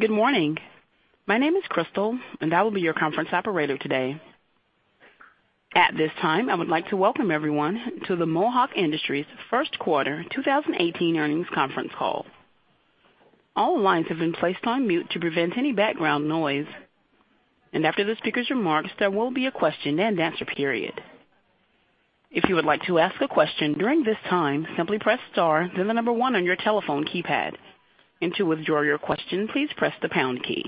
Good morning. My name is Crystal, and I will be your conference operator today. At this time, I would like to welcome everyone to the Mohawk Industries Second Quarter 2018 Earnings Conference Call. All lines have been placed on mute to prevent any background noise. After the speaker's remarks, there will be a question-and-answer period. If you would like to ask a question during this time, simply press star, then the number 1 on your telephone keypad. To withdraw your question, please press the pound key.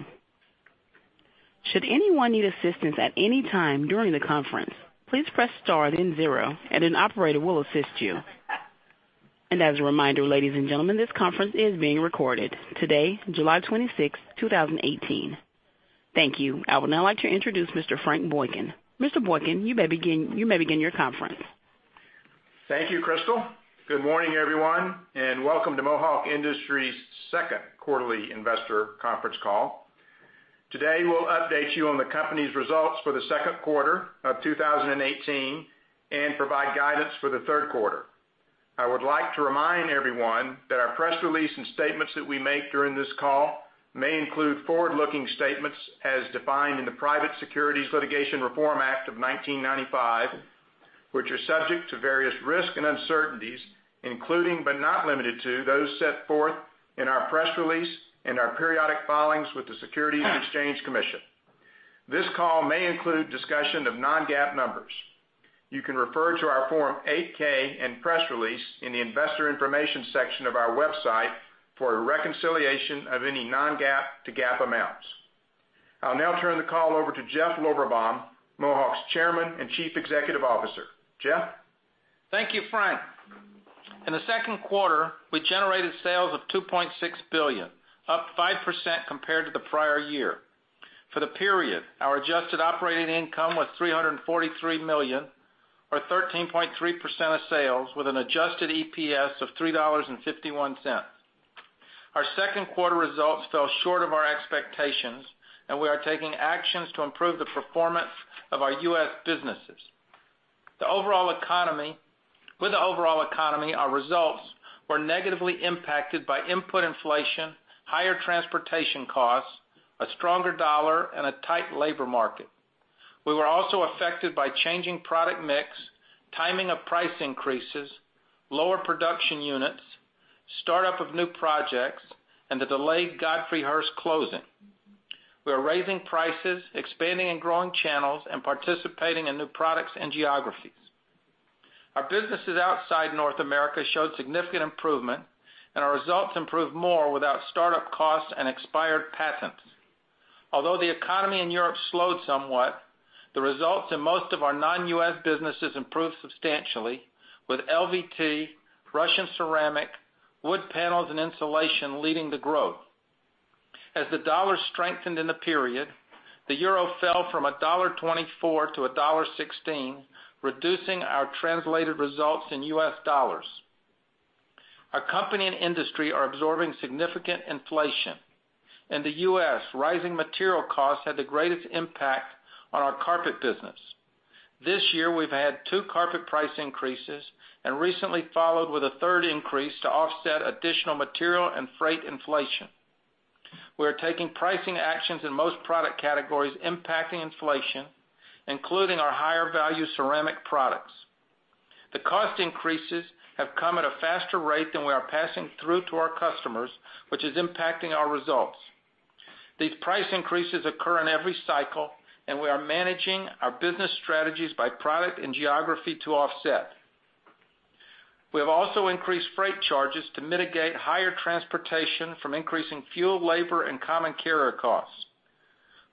Should anyone need assistance at any time during the conference, please press star then 0, and an operator will assist you. As a reminder, ladies and gentlemen, this conference is being recorded today, July 26th, 2018. Thank you. I would now like to introduce Mr. Frank Boykin. Mr. Boykin, you may begin your conference. Thank you, Crystal. Good morning, everyone, and welcome to Mohawk Industries' second quarterly investor conference call. Today, we'll update you on the company's results for the second quarter of 2018 and provide guidance for the third quarter. I would like to remind everyone that our press release and statements that we make during this call may include forward-looking statements as defined in the Private Securities Litigation Reform Act of 1995, which are subject to various risks and uncertainties, including but not limited to, those set forth in our press release and our periodic filings with the Securities and Exchange Commission. This call may include discussion of non-GAAP numbers. You can refer to our Form 8-K and press release in the investor information section of our website for a reconciliation of any non-GAAP to GAAP amounts. I'll now turn the call over to Jeff Lorberbaum, Mohawk's Chairman and Chief Executive Officer. Jeff? Thank you, Frank. In the second quarter, we generated sales of $2.6 billion, up 5% compared to the prior year. For the period, our adjusted operating income was $343 million or 13.3% of sales, with an adjusted EPS of $3.51. Our second quarter results fell short of our expectations. We are taking actions to improve the performance of our U.S. businesses. With the overall economy, our results were negatively impacted by input inflation, higher transportation costs, a stronger dollar, and a tight labor market. We were also affected by changing product mix, timing of price increases, lower production units, startup of new projects, and the delayed Godfrey Hirst closing. We are raising prices, expanding and growing channels, and participating in new products and geographies. Our businesses outside North America showed significant improvement. Our results improved more without startup costs and expired patents. Although the economy in Europe slowed somewhat, the results in most of our non-U.S. businesses improved substantially with LVT, Russian ceramic, wood panels, and insulation leading the growth. As the dollar strengthened in the period, the euro fell from $1.24 to $1.16, reducing our translated results in U.S. dollars. Our company and industry are absorbing significant inflation. In the U.S., rising material costs had the greatest impact on our carpet business. This year, we've had two carpet price increases and recently followed with a third increase to offset additional material and freight inflation. We are taking pricing actions in most product categories impacting inflation, including our higher value ceramic products. The cost increases have come at a faster rate than we are passing through to our customers, which is impacting our results. These price increases occur in every cycle, we are managing our business strategies by product and geography to offset. We have also increased freight charges to mitigate higher transportation from increasing fuel, labor, and common carrier costs.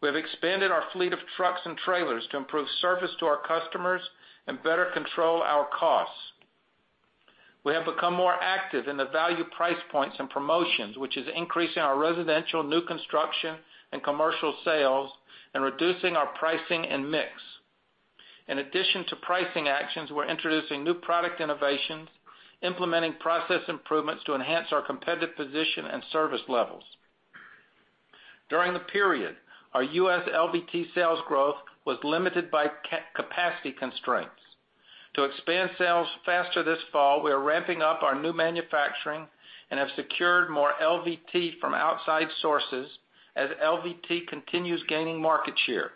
We have expanded our fleet of trucks and trailers to improve service to our customers and better control our costs. We have become more active in the value price points and promotions, which is increasing our residential new construction and commercial sales and reducing our pricing and mix. In addition to pricing actions, we're introducing new product innovations, implementing process improvements to enhance our competitive position and service levels. During the period, our U.S. LVT sales growth was limited by capacity constraints. To expand sales faster this fall, we are ramping up our new manufacturing and have secured more LVT from outside sources as LVT continues gaining market share.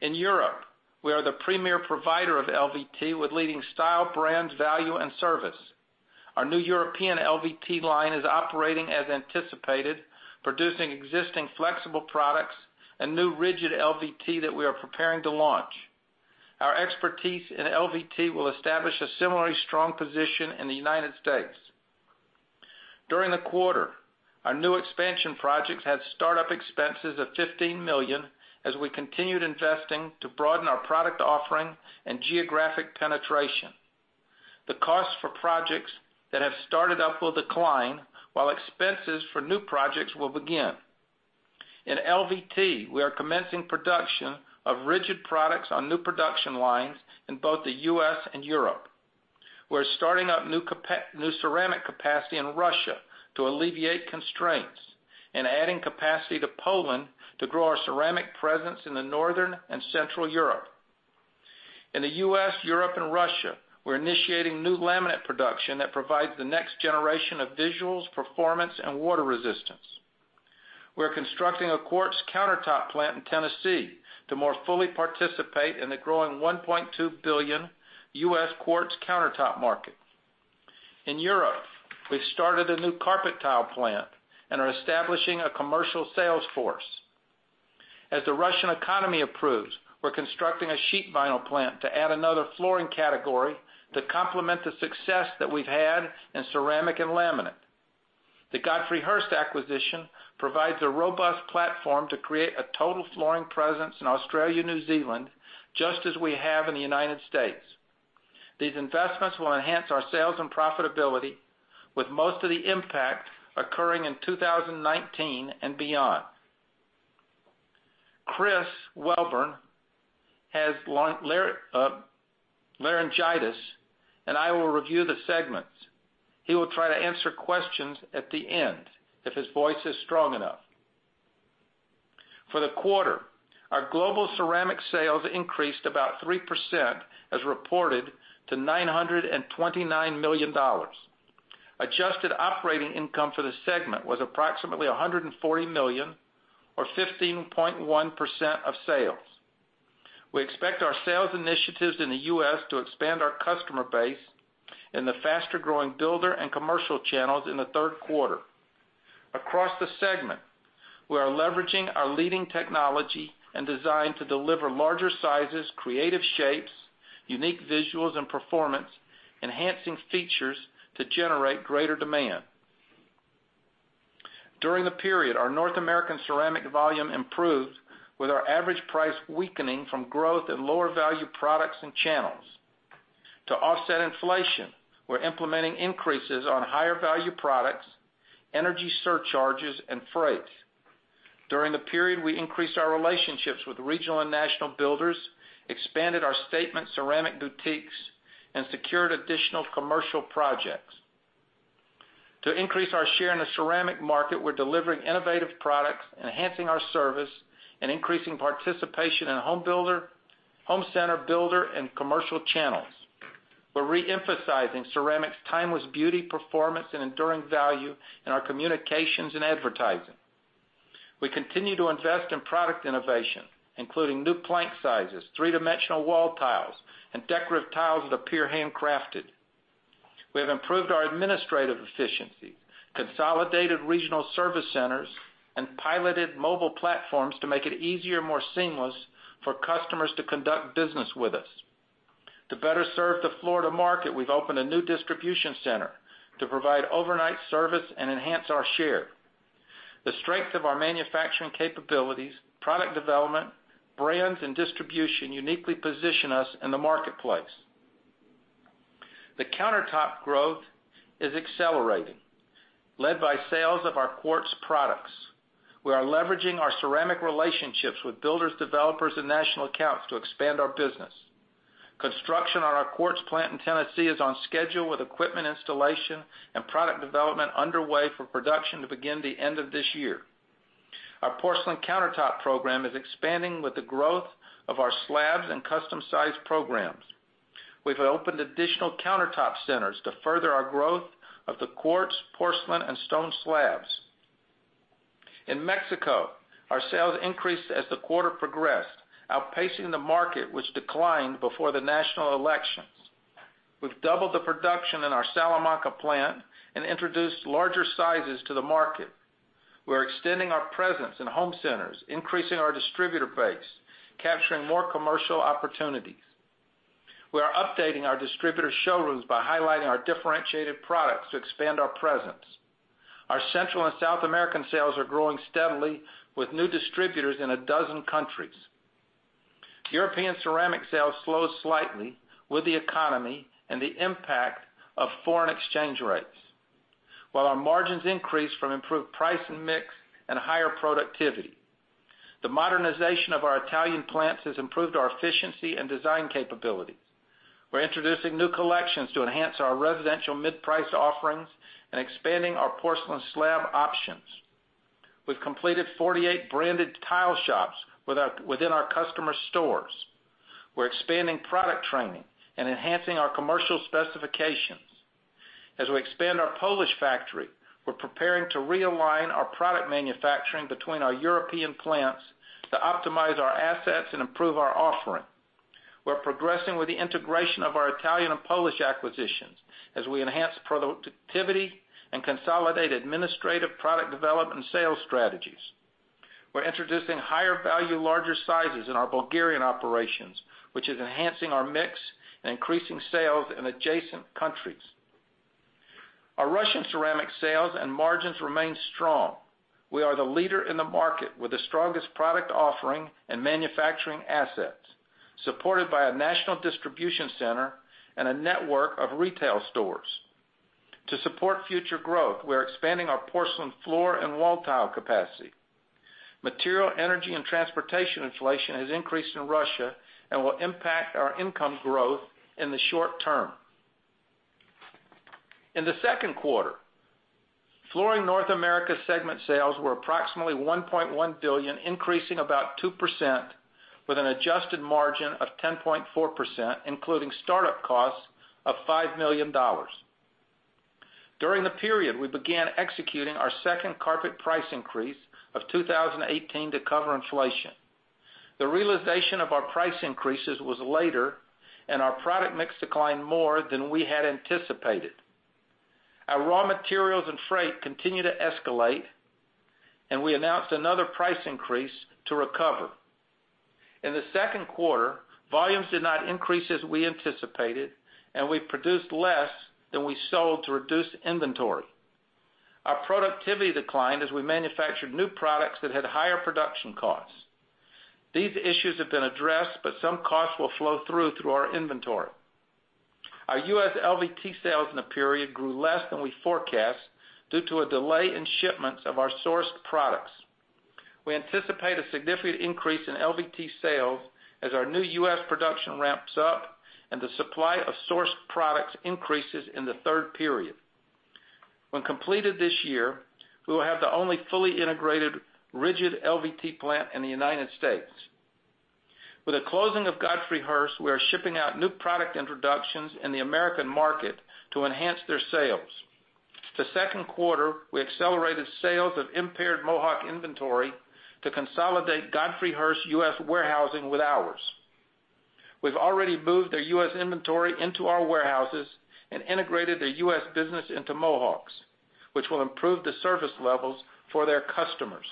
In Europe, we are the premier provider of LVT with leading style, brands, value, and service. Our new European LVT line is operating as anticipated, producing existing flexible products and new rigid LVT that we are preparing to launch. Our expertise in LVT will establish a similarly strong position in the United States. During the quarter, our new expansion projects had startup expenses of $15 million as we continued investing to broaden our product offering and geographic penetration. The cost for projects that have started up will decline while expenses for new projects will begin. In LVT, we are commencing production of rigid products on new production lines in both the U.S. and Europe. We're starting up new ceramic capacity in Russia to alleviate constraints and adding capacity to Poland to grow our ceramic presence in the Northern and Central Europe. In the U.S., Europe, and Russia, we're initiating new laminate production that provides the next generation of visuals, performance, and water resistance. We're constructing a quartz countertop plant in Tennessee to more fully participate in the growing $1.2 billion U.S. quartz countertop market. In Europe, we've started a new carpet tile plant and are establishing a commercial sales force. As the Russian economy improves, we're constructing a sheet vinyl plant to add another flooring category to complement the success that we've had in ceramic and laminate. The Godfrey Hirst acquisition provides a robust platform to create a total flooring presence in Australia, New Zealand, just as we have in the United States. These investments will enhance our sales and profitability, with most of the impact occurring in 2019 and beyond. Chris Wellborn has laryngitis, I will review the segments. He will try to answer questions at the end if his voice is strong enough. For the quarter, our global ceramic sales increased about 3% as reported to $929 million. Adjusted operating income for the segment was approximately $140 million or 15.1% of sales. We expect our sales initiatives in the U.S. to expand our customer base in the faster-growing builder and commercial channels in the third quarter. Across the segment, we are leveraging our leading technology and design to deliver larger sizes, creative shapes, unique visuals, and performance-enhancing features to generate greater demand. During the period, our North American ceramic volume improved with our average price weakening from growth in lower value products and channels. To offset inflation, we're implementing increases on higher value products, energy surcharges, and freight. During the period, we increased our relationships with regional and national builders, expanded our statement ceramic boutiques, and secured additional commercial projects. To increase our share in the ceramic market, we're delivering innovative products, enhancing our service, and increasing participation in home center, builder, and commercial channels. We're re-emphasizing ceramic's timeless beauty, performance, and enduring value in our communications and advertising. We continue to invest in product innovation, including new plank sizes, three-dimensional wall tiles, and decorative tiles that appear handcrafted. We have improved our administrative efficiency, consolidated regional service centers, and piloted mobile platforms to make it easier and more seamless for customers to conduct business with us. To better serve the Florida market, we've opened a new distribution center to provide overnight service and enhance our share. The strength of our manufacturing capabilities, product development, brands, and distribution uniquely position us in the marketplace. The countertop growth is accelerating, led by sales of our quartz products. We are leveraging our ceramic relationships with builders, developers, and national accounts to expand our business. Construction on our quartz plant in Tennessee is on schedule with equipment installation and product development underway for production to begin the end of this year. Our porcelain countertop program is expanding with the growth of our slabs and custom size programs. We've opened additional countertop centers to further our growth of the quartz, porcelain, and stone slabs. In Mexico, our sales increased as the quarter progressed, outpacing the market, which declined before the national elections. We've doubled the production in our Salamanca plant and introduced larger sizes to the market. We're extending our presence in home centers, increasing our distributor base, capturing more commercial opportunities. We are updating our distributor showrooms by highlighting our differentiated products to expand our presence. Our Central and South American sales are growing steadily with new distributors in 12 countries. European ceramic sales slowed slightly with the economy and the impact of foreign exchange rates, while our margins increased from improved price and mix and higher productivity. The modernization of our Italian plants has improved our efficiency and design capabilities. We're introducing new collections to enhance our residential mid-price offerings and expanding our porcelain slab options. We've completed 48 branded tile shops within our customer stores. We're expanding product training and enhancing our commercial specifications. As we expand our Polish factory, we're preparing to realign our product manufacturing between our European plants to optimize our assets and improve our offering. We're progressing with the integration of our Italian and Polish acquisitions as we enhance productivity and consolidate administrative product development and sales strategies. We're introducing higher value, larger sizes in our Bulgarian operations, which is enhancing our mix and increasing sales in adjacent countries. Our Russian ceramic sales and margins remain strong. We are the leader in the market with the strongest product offering and manufacturing assets, supported by a national distribution center and a network of retail stores. To support future growth, we're expanding our porcelain floor and wall tile capacity. Material, energy, and transportation inflation has increased in Russia and will impact our income growth in the short term. In the second quarter, Flooring North America segment sales were approximately $1.1 billion, increasing about 2%, with an adjusted margin of 10.4%, including startup costs of $5 million. During the period, we began executing our second carpet price increase of 2018 to cover inflation. The realization of our price increases was later, and our product mix declined more than we had anticipated. Our raw materials and freight continued to escalate. We announced another price increase to recover. In the second quarter, volumes did not increase as we anticipated. We produced less than we sold to reduce inventory. Our productivity declined as we manufactured new products that had higher production costs. These issues have been addressed. Some costs will flow through to our inventory. Our U.S. LVT sales in the period grew less than we forecast due to a delay in shipments of our sourced products. We anticipate a significant increase in LVT sales as our new U.S. production ramps up and the supply of sourced products increases in the third period. When completed this year, we will have the only fully integrated rigid LVT plant in the United States. With the closing of Godfrey Hirst, we are shipping out new product introductions in the American market to enhance their sales. The second quarter, we accelerated sales of impaired Mohawk inventory to consolidate Godfrey Hirst U.S. warehousing with ours. We've already moved their U.S. inventory into our warehouses and integrated their U.S. business into Mohawk's, which will improve the service levels for their customers.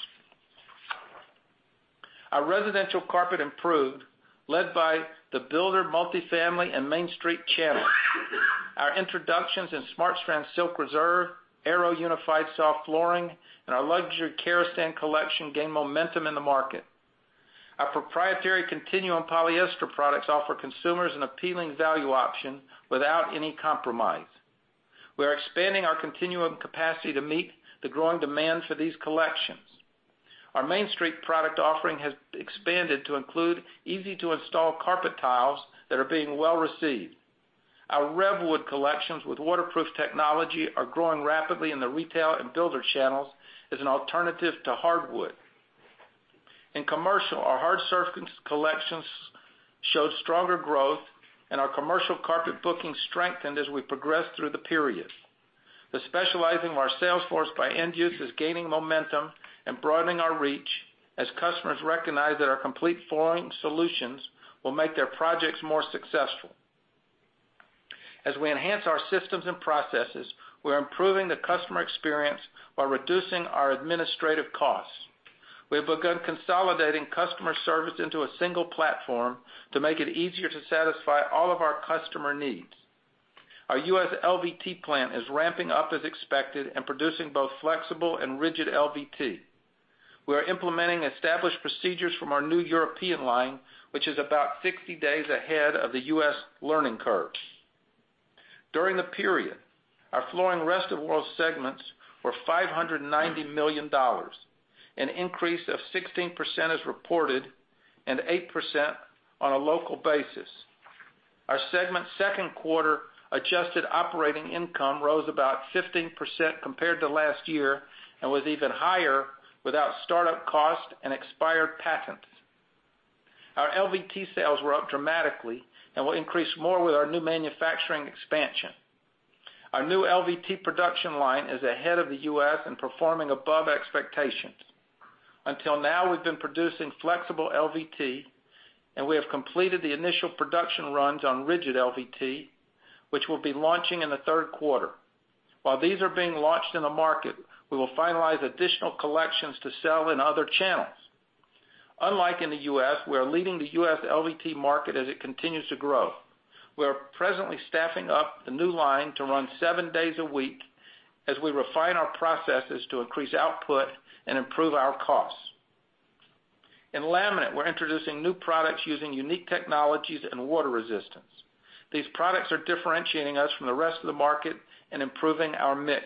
Our residential carpet improved, led by the builder, multifamily, and Main Street channels. Our introductions in SmartStrand Silk Reserve, Airo Unified Soft Flooring, and our luxury Karastan collection gained momentum in the market. Our proprietary Continuum polyester products offer consumers an appealing value option without any compromise. We are expanding our Continuum capacity to meet the growing demand for these collections. Our Main Street product offering has expanded to include easy-to-install carpet tiles that are being well-received. Our RevWood collections with waterproof technology are growing rapidly in the retail and builder channels as an alternative to hardwood. In commercial, our hard surface collections showed stronger growth. Our commercial carpet bookings strengthened as we progressed through the period. The specializing of our sales force by end use is gaining momentum and broadening our reach as customers recognize that our complete flooring solutions will make their projects more successful. As we enhance our systems and processes, we're improving the customer experience while reducing our administrative costs. We have begun consolidating customer service into a single platform to make it easier to satisfy all of our customer needs. Our U.S. LVT plant is ramping up as expected and producing both flexible and rigid LVT. We are implementing established procedures from our new European line, which is about 60 days ahead of the U.S. learning curves. During the period, our Flooring Rest-of-World segments were $590 million, an increase of 16% as reported and 8% on a local basis. Our segment's second quarter adjusted operating income rose about 15% compared to last year and was even higher without startup costs and expired patents. Our LVT sales were up dramatically and will increase more with our new manufacturing expansion. Our new LVT production line is ahead of the U.S. and performing above expectations. Until now, we've been producing flexible LVT, and we have completed the initial production runs on rigid LVT, which we'll be launching in the third quarter. While these are being launched in the market, we will finalize additional collections to sell in other channels. Unlike in the U.S., we are leading the U.S. LVT market as it continues to grow. We are presently staffing up the new line to run seven days a week as we refine our processes to increase output and improve our costs. In laminate, we're introducing new products using unique technologies and water resistance. These products are differentiating us from the rest of the market and improving our mix.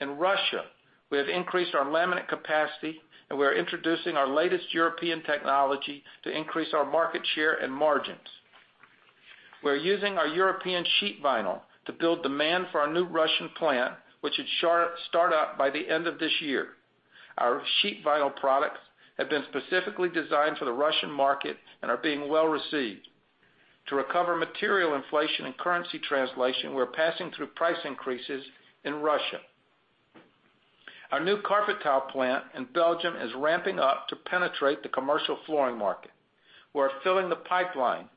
In Russia, we have increased our laminate capacity, and we are introducing our latest European technology to increase our market share and margins. We're using our European sheet vinyl to build demand for our new Russian plant, which should start up by the end of this year. Our sheet vinyl products have been specifically designed for the Russian market and are being well-received. To recover material inflation and currency translation, we're passing through price increases in Russia. Our new carpet tile plant in Belgium is ramping up to penetrate the commercial flooring market. We're filling the pipeline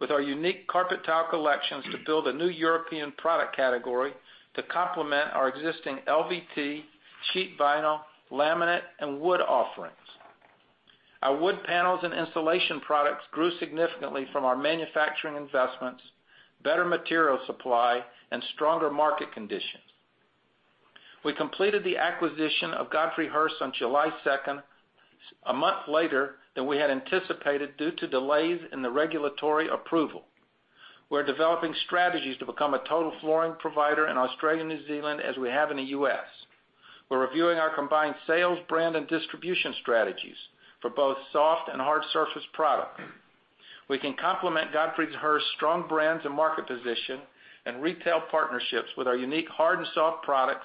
with our unique carpet tile collections to build a new European product category to complement our existing LVT, sheet vinyl, laminate, and wood offerings. Our wood panels and insulation products grew significantly from our manufacturing investments, better material supply, and stronger market conditions. We completed the acquisition of Godfrey Hirst on July 2nd, a month later than we had anticipated due to delays in the regulatory approval. We're developing strategies to become a total flooring provider in Australia and New Zealand as we have in the U.S. We're reviewing our combined sales, brand, and distribution strategies for both soft and hard surface products. We can complement Godfrey's strong brands and market position and retail partnerships with our unique hard and soft products,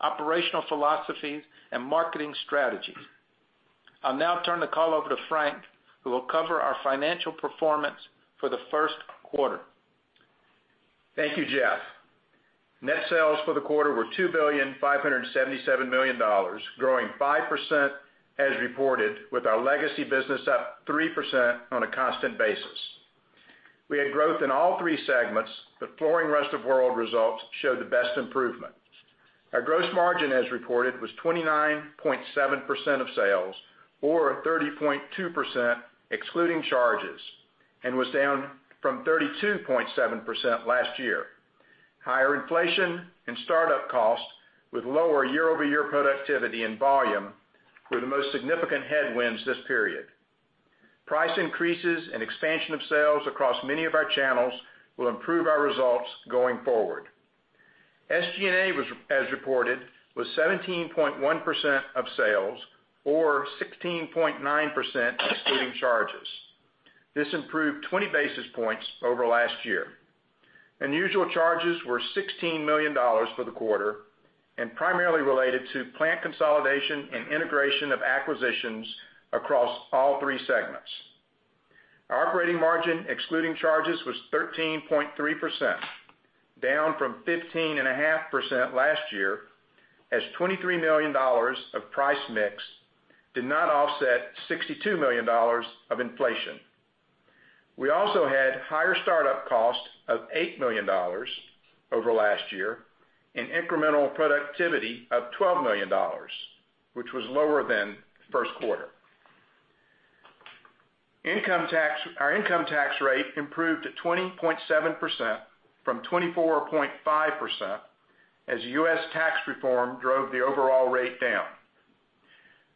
operational philosophies, and marketing strategies. I'll now turn the call over to Frank, who will cover our financial performance for the first quarter. Thank you, Jeff. Net sales for the quarter were $2,577,000,000, growing 5% as reported, with our legacy business up 3% on a constant basis. We had growth in all 3 segments, but Flooring Rest of the World results showed the best improvement. Our gross margin as reported was 29.7% of sales or 30.2% excluding charges and was down from 32.7% last year. Higher inflation and startup costs with lower year-over-year productivity and volume were the most significant headwinds this period. Price increases and expansion of sales across many of our channels will improve our results going forward. SG&A as reported was 17.1% of sales or 16.9% excluding charges. This improved 20 basis points over last year. Unusual charges were $16 million for the quarter and primarily related to plant consolidation and integration of acquisitions across all 3 segments. Our operating margin excluding charges was 13.3%, down from 15.5% last year as $23 million of price mix did not offset $62 million of inflation. We also had higher startup costs of $8 million over last year and incremental productivity of $12 million, which was lower than first quarter. Our income tax rate improved to 20.7% from 24.5% as U.S. tax reform drove the overall rate down.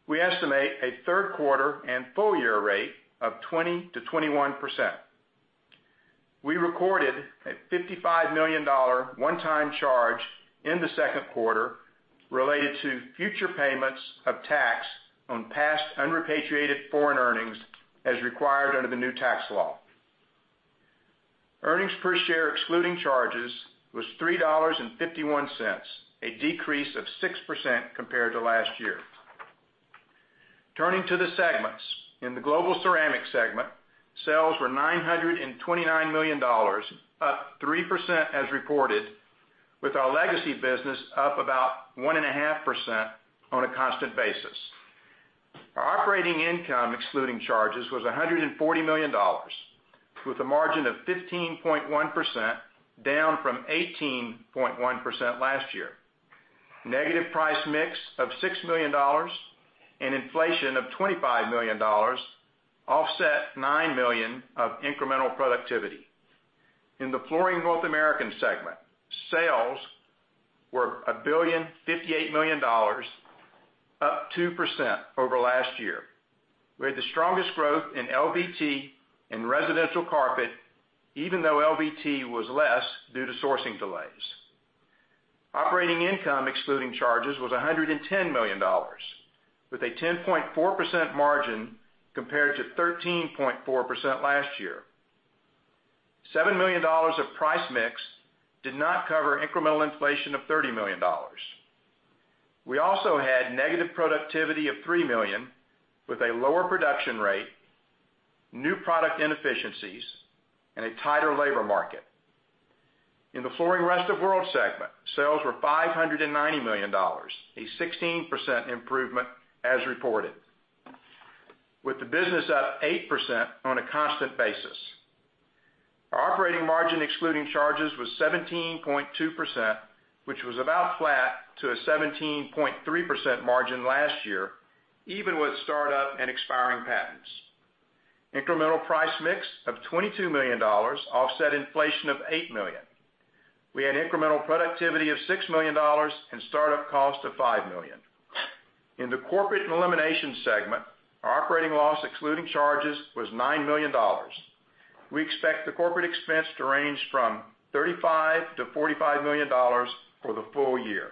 We estimate a third quarter and full-year rate of 20%-21%. We recorded a $55 million one-time charge in the second quarter related to future payments of tax on past unrepatriated foreign earnings as required under the new tax law. Earnings per share excluding charges was $3.51, a decrease of 6% compared to last year. Turning to the segments. In the Global Ceramic segment, sales were $929 million, up 3% as reported, with our legacy business up about 1.5% on a constant basis. Our operating income excluding charges was $140 million, with a margin of 15.1%, down from 18.1% last year. Negative price mix of $6 million and inflation of $25 million offset $9 million of incremental productivity. In the Flooring North America segment, sales were $1,058,000,000, up 2% over last year. We had the strongest growth in LVT and residential carpet even though LVT was less due to sourcing delays. Operating income excluding charges was $110 million with a 10.4% margin compared to 13.4% last year. $7 million of price mix did not cover incremental inflation of $30 million. We also had negative productivity of $3 million with a lower production rate, new product inefficiencies, and a tighter labor market. In the Flooring Rest of World segment, sales were $590 million, a 16% improvement as reported, with the business up 8% on a constant basis. Our operating margin excluding charges was 17.2%, which was about flat to a 17.3% margin last year even with startup and expiring patents. Incremental price mix of $22 million offset inflation of $8 million. We had incremental productivity of $6 million and startup costs of $5 million. In the Corporate and Eliminations segment, our operating loss excluding charges was $9 million. We expect the corporate expense to range from $35 million to $45 million for the full year.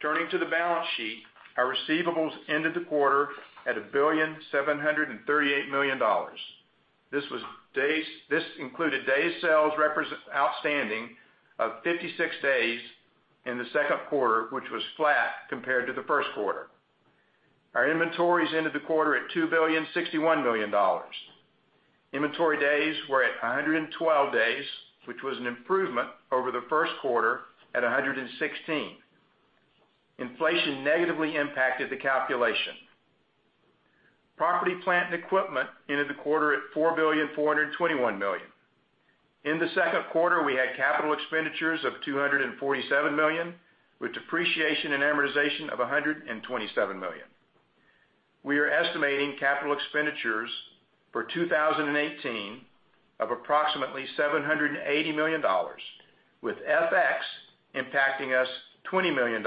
Turning to the balance sheet, our receivables ended the quarter at $1,738,000,000. This included days sales outstanding of 56 days in the second quarter, which was flat compared to the first quarter. Our inventories ended the quarter at $2,061,000,000. Inventory days were at 112 days, which was an improvement over the first quarter at 116. Inflation negatively impacted the calculation. Property, plant, and equipment ended the quarter at $4,421,000,000. In the second quarter, we had capital expenditures of $247 million with depreciation and amortization of $127 million. We are estimating capital expenditures for 2018 of approximately $780 million with FX impacting us $20 million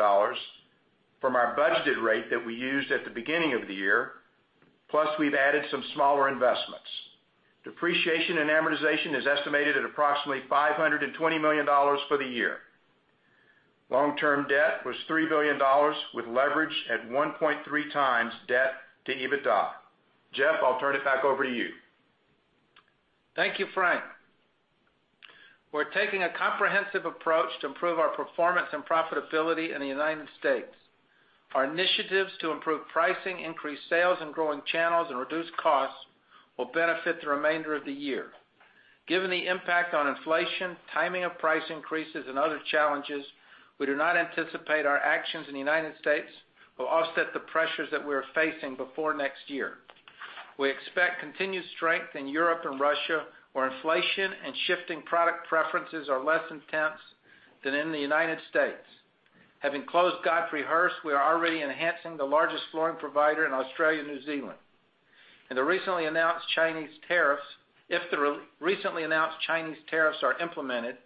from our budgeted rate that we used at the beginning of the year, plus we've added some smaller investments. Depreciation and amortization is estimated at approximately $520 million for the year. Long-term debt was $3 billion with leverage at 1.3 times debt to EBITDA. Jeff, I'll turn it back over to you. Thank you, Frank. We're taking a comprehensive approach to improve our performance and profitability in the United States. Our initiatives to improve pricing, increase sales, and growing channels and reduce costs will benefit the remainder of the year. Given the impact on inflation, timing of price increases, and other challenges, we do not anticipate our actions in the United States will offset the pressures that we are facing before next year. We expect continued strength in Europe and Russia, where inflation and shifting product preferences are less intense than in the United States. Having closed Godfrey Hirst, we are already enhancing the largest flooring provider in Australia and New Zealand. If the recently announced Chinese tariffs are implemented,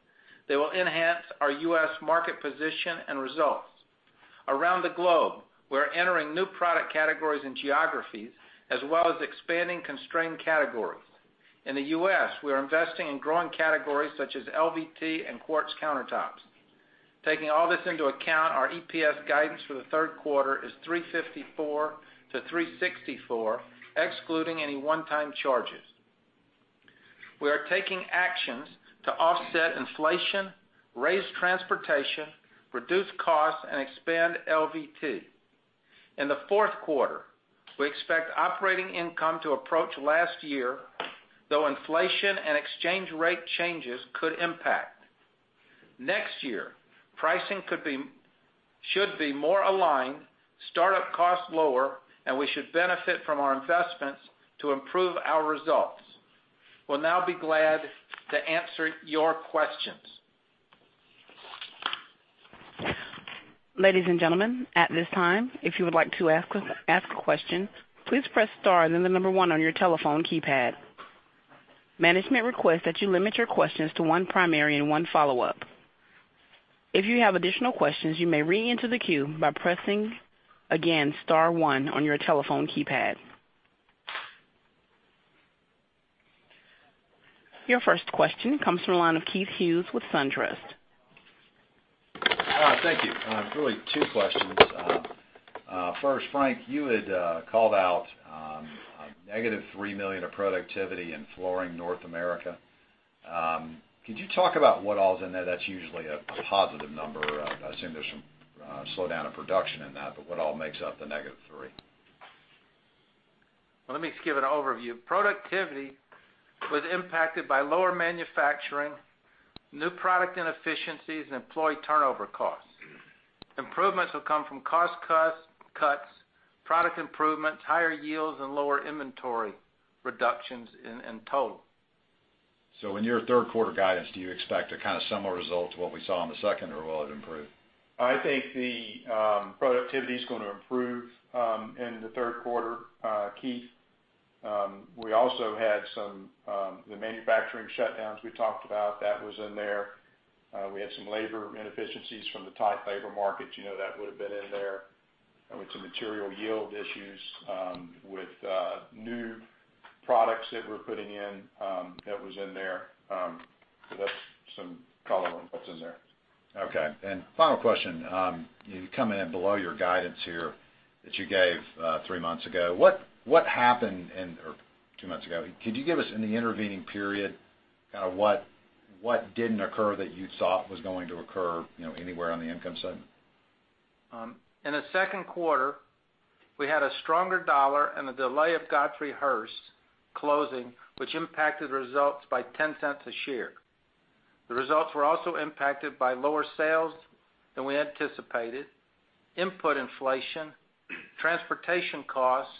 they will enhance our U.S. market position and results. Around the globe, we're entering new product categories and geographies, as well as expanding constrained categories. In the U.S., we are investing in growing categories such as LVT and quartz countertops. Taking all this into account, our EPS guidance for the third quarter is $3.54-$3.64, excluding any one-time charges. We are taking actions to offset inflation, raise transportation, reduce costs, and expand LVT. In the fourth quarter, we expect operating income to approach last year, though inflation and exchange rate changes could impact. Next year, pricing should be more aligned, startup costs lower, and we should benefit from our investments to improve our results. We'll now be glad to answer your questions. Ladies and gentlemen, at this time, if you would like to ask a question, please press star and then the number one on your telephone keypad. Management requests that you limit your questions to one primary and one follow-up. If you have additional questions, you may reenter the queue by pressing, again, star one on your telephone keypad. Your first question comes from the line of Keith Hughes with SunTrust. Thank you. Really two questions. First, Frank, you had called out a negative $3 million of productivity in Flooring North America. Could you talk about what all is in there? That's usually a positive number. I assume there's some slowdown of production in that, but what all makes up the negative three? Let me give an overview. Productivity was impacted by lower manufacturing, new product inefficiencies, and employee turnover costs. Improvements will come from cost cuts, product improvements, higher yields, and lower inventory reductions in total. In your third quarter guidance, do you expect a kind of similar result to what we saw in the second, or will it improve? I think the productivity's going to improve in the third quarter, Keith. We also had some manufacturing shutdowns we talked about. That was in there. We had some labor inefficiencies from the tight labor market. That would've been in there. With some material yield issues with new products that we're putting in. That was in there. That's some color on what's in there. Okay. Final question. You come in below your guidance here that you gave three months ago, or two months ago. Could you give us, in the intervening period, what didn't occur that you thought was going to occur anywhere on the income statement? In the second quarter, we had a stronger dollar and the delay of Godfrey Hirst closing, which impacted results by $0.10 a share. The results were also impacted by lower sales than we anticipated, input inflation, transportation costs,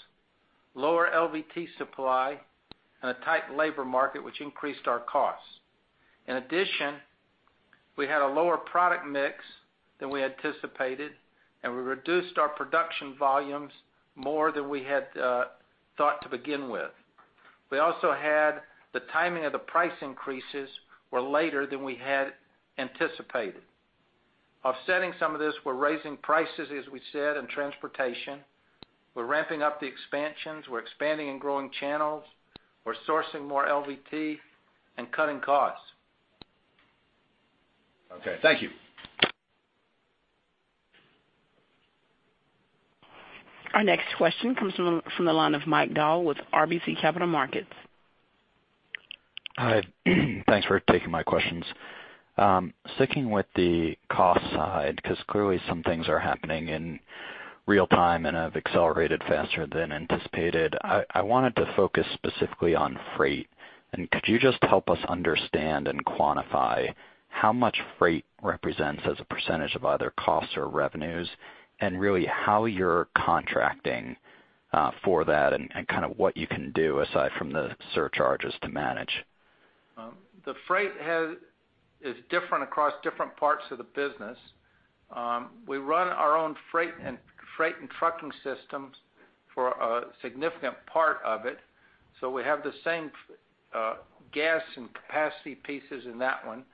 lower LVT supply, and a tight labor market, which increased our costs. In addition, we had a lower product mix than we anticipated, and we reduced our production volumes more than we had thought to begin with. We also had the timing of the price increases were later than we had anticipated. Offsetting some of this, we're raising prices, as we said, and transportation. We're ramping up the expansions. We're expanding and growing channels. We're sourcing more LVT and cutting costs. Okay. Thank you. Our next question comes from the line of Mike Dahl with RBC Capital Markets. Hi. Thanks for taking my questions. Sticking with the cost side, because clearly some things are happening in real time and have accelerated faster than anticipated. I wanted to focus specifically on freight. Could you just help us understand and quantify how much freight represents as a % of either costs or revenues, and really how you're contracting for that and what you can do, aside from the surcharges, to manage? The freight is different across different parts of the business. We run our own freight and trucking systems for a significant part of it, so we have the same gas and capacity pieces in that one.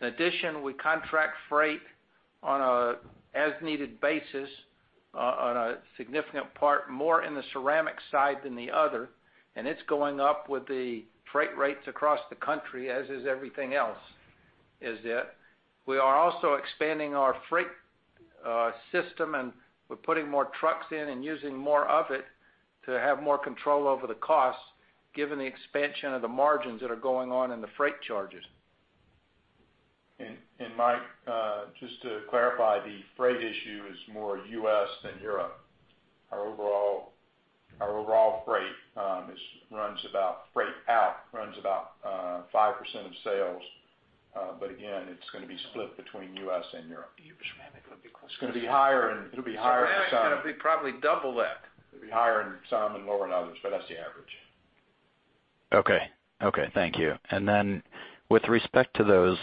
In addition, we contract freight on an as-needed basis, on a significant part, more in the ceramic side than the other, and it's going up with the freight rates across the country, as is everything else. We are also expanding our freight system, and we're putting more trucks in and using more of it to have more control over the costs, given the expansion of the margins that are going on in the freight charges. Mike, just to clarify, the freight issue is more U.S. than Europe. Our overall freight out runs about 5% of sales. Again, it's going to be split between U.S. and Europe. It's going to be higher. It'll be higher for some. Ceramic is going to be probably double that. It'll be higher in some and lower in others, but that's the average. Okay. Thank you. Then with respect to those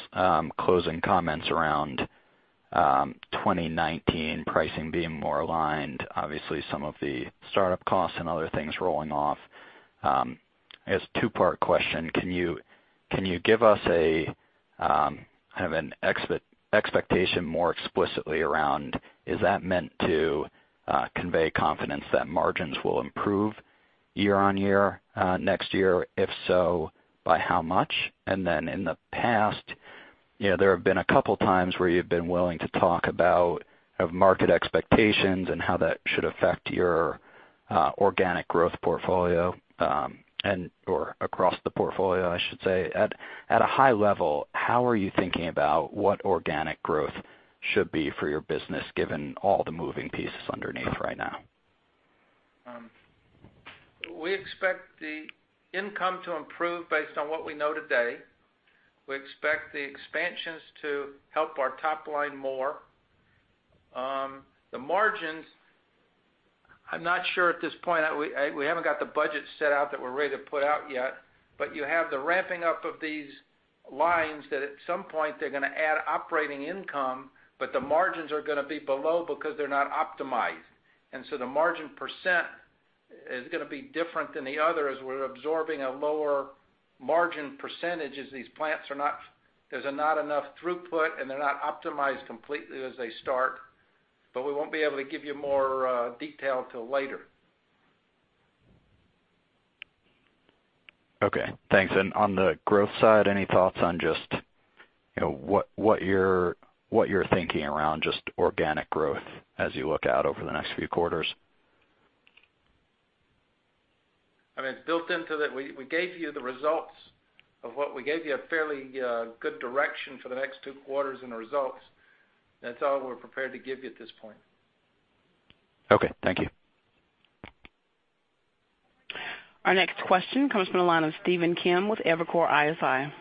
closing comments around 2019 pricing being more aligned, obviously some of the startup costs and other things rolling off. As a two-part question, can you give us an expectation more explicitly around, is that meant to convey confidence that margins will improve year-on-year next year? If so, by how much? Then in the past, there have been a couple of times where you've been willing to talk about market expectations and how that should affect your organic growth portfolio, or across the portfolio, I should say. At a high level, how are you thinking about what organic growth should be for your business given all the moving pieces underneath right now? We expect the income to improve based on what we know today. We expect the expansions to help our top line more. The margins, I'm not sure at this point. We haven't got the budget set out that we're ready to put out yet, but you have the ramping up of these lines that at some point they're going to add operating income, but the margins are going to be below because they're not optimized. The margin percent is going to be different than the others. We're absorbing a lower margin percentage as these plants are not-- There's not enough throughput, and they're not optimized completely as they start. We won't be able to give you more detail till later. Okay, thanks. On the growth side, any thoughts on just what you're thinking around just organic growth as you look out over the next few quarters? It's built into that. We gave you the results of what we gave you, a fairly good direction for the next two quarters and the results. That's all we're prepared to give you at this point. Okay, thank you. Our next question comes from the line of Stephen Kim with Evercore ISI.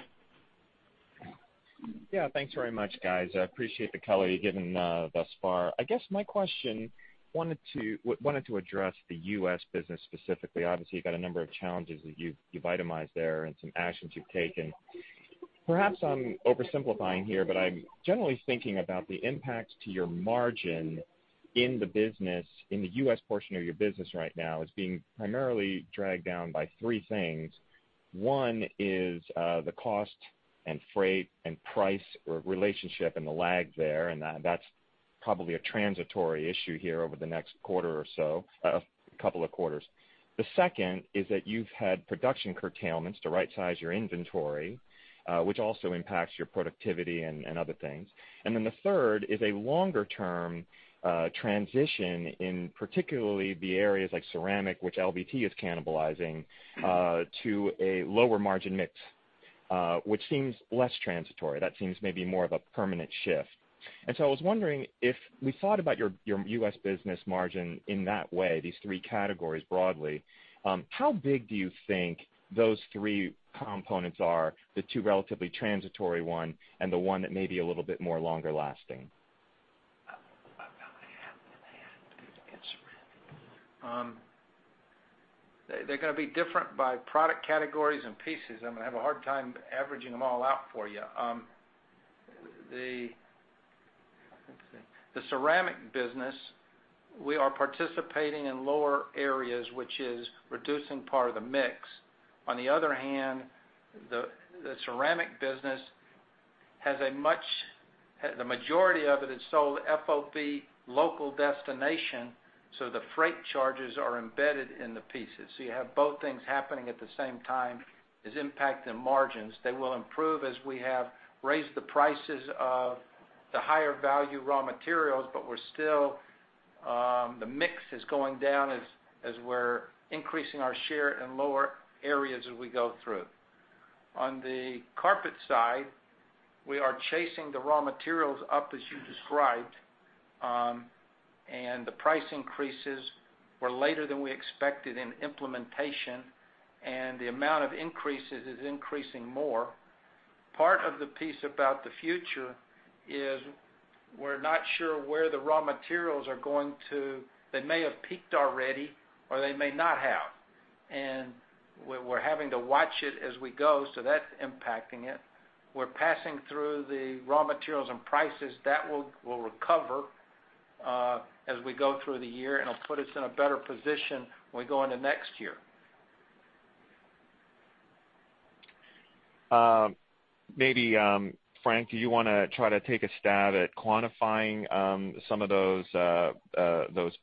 Yeah. Thanks very much, guys. I appreciate the color you've given thus far. I guess my question, wanted to address the U.S. business specifically. Obviously, you've got a number of challenges that you've itemized there and some actions you've taken. Perhaps I'm oversimplifying here, but I'm generally thinking about the impact to your margin in the U.S. portion of your business right now as being primarily dragged down by three things. One is the cost and freight and price relationship and the lag there, and that's probably a transitory issue here over the next couple of quarters. The second is that you've had production curtailments to rightsize your inventory, which also impacts your productivity and other things. The third is a longer-term transition in particularly the areas like ceramic, which LVT is cannibalizing, to a lower margin mix, which seems less transitory. That seems maybe more of a permanent shift. I was wondering if we thought about your U.S. business margin in that way, these three categories broadly, how big do you think those three components are, the two relatively transitory one and the one that may be a little bit more longer lasting? They're going to be different by product categories and pieces. I'm going to have a hard time averaging them all out for you. The ceramic business, we are participating in lower areas, which is reducing part of the mix. On the other hand, the ceramic business, the majority of it is sold FOB local destination, so the freight charges are embedded in the pieces. You have both things happening at the same time is impacting margins. They will improve as we have raised the prices of the higher value raw materials, but the mix is going down as we're increasing our share in lower areas as we go through. On the carpet side, we are chasing the raw materials up as you described. The price increases were later than we expected in implementation, and the amount of increases is increasing more. Part of the piece about the future is we're not sure where the raw materials are. They may have peaked already, or they may not have. We're having to watch it as we go, that's impacting it. We're passing through the raw materials and prices. That will recover as we go through the year, and it'll put us in a better position when we go into next year. Maybe, Frank, do you want to try to take a stab at quantifying some of those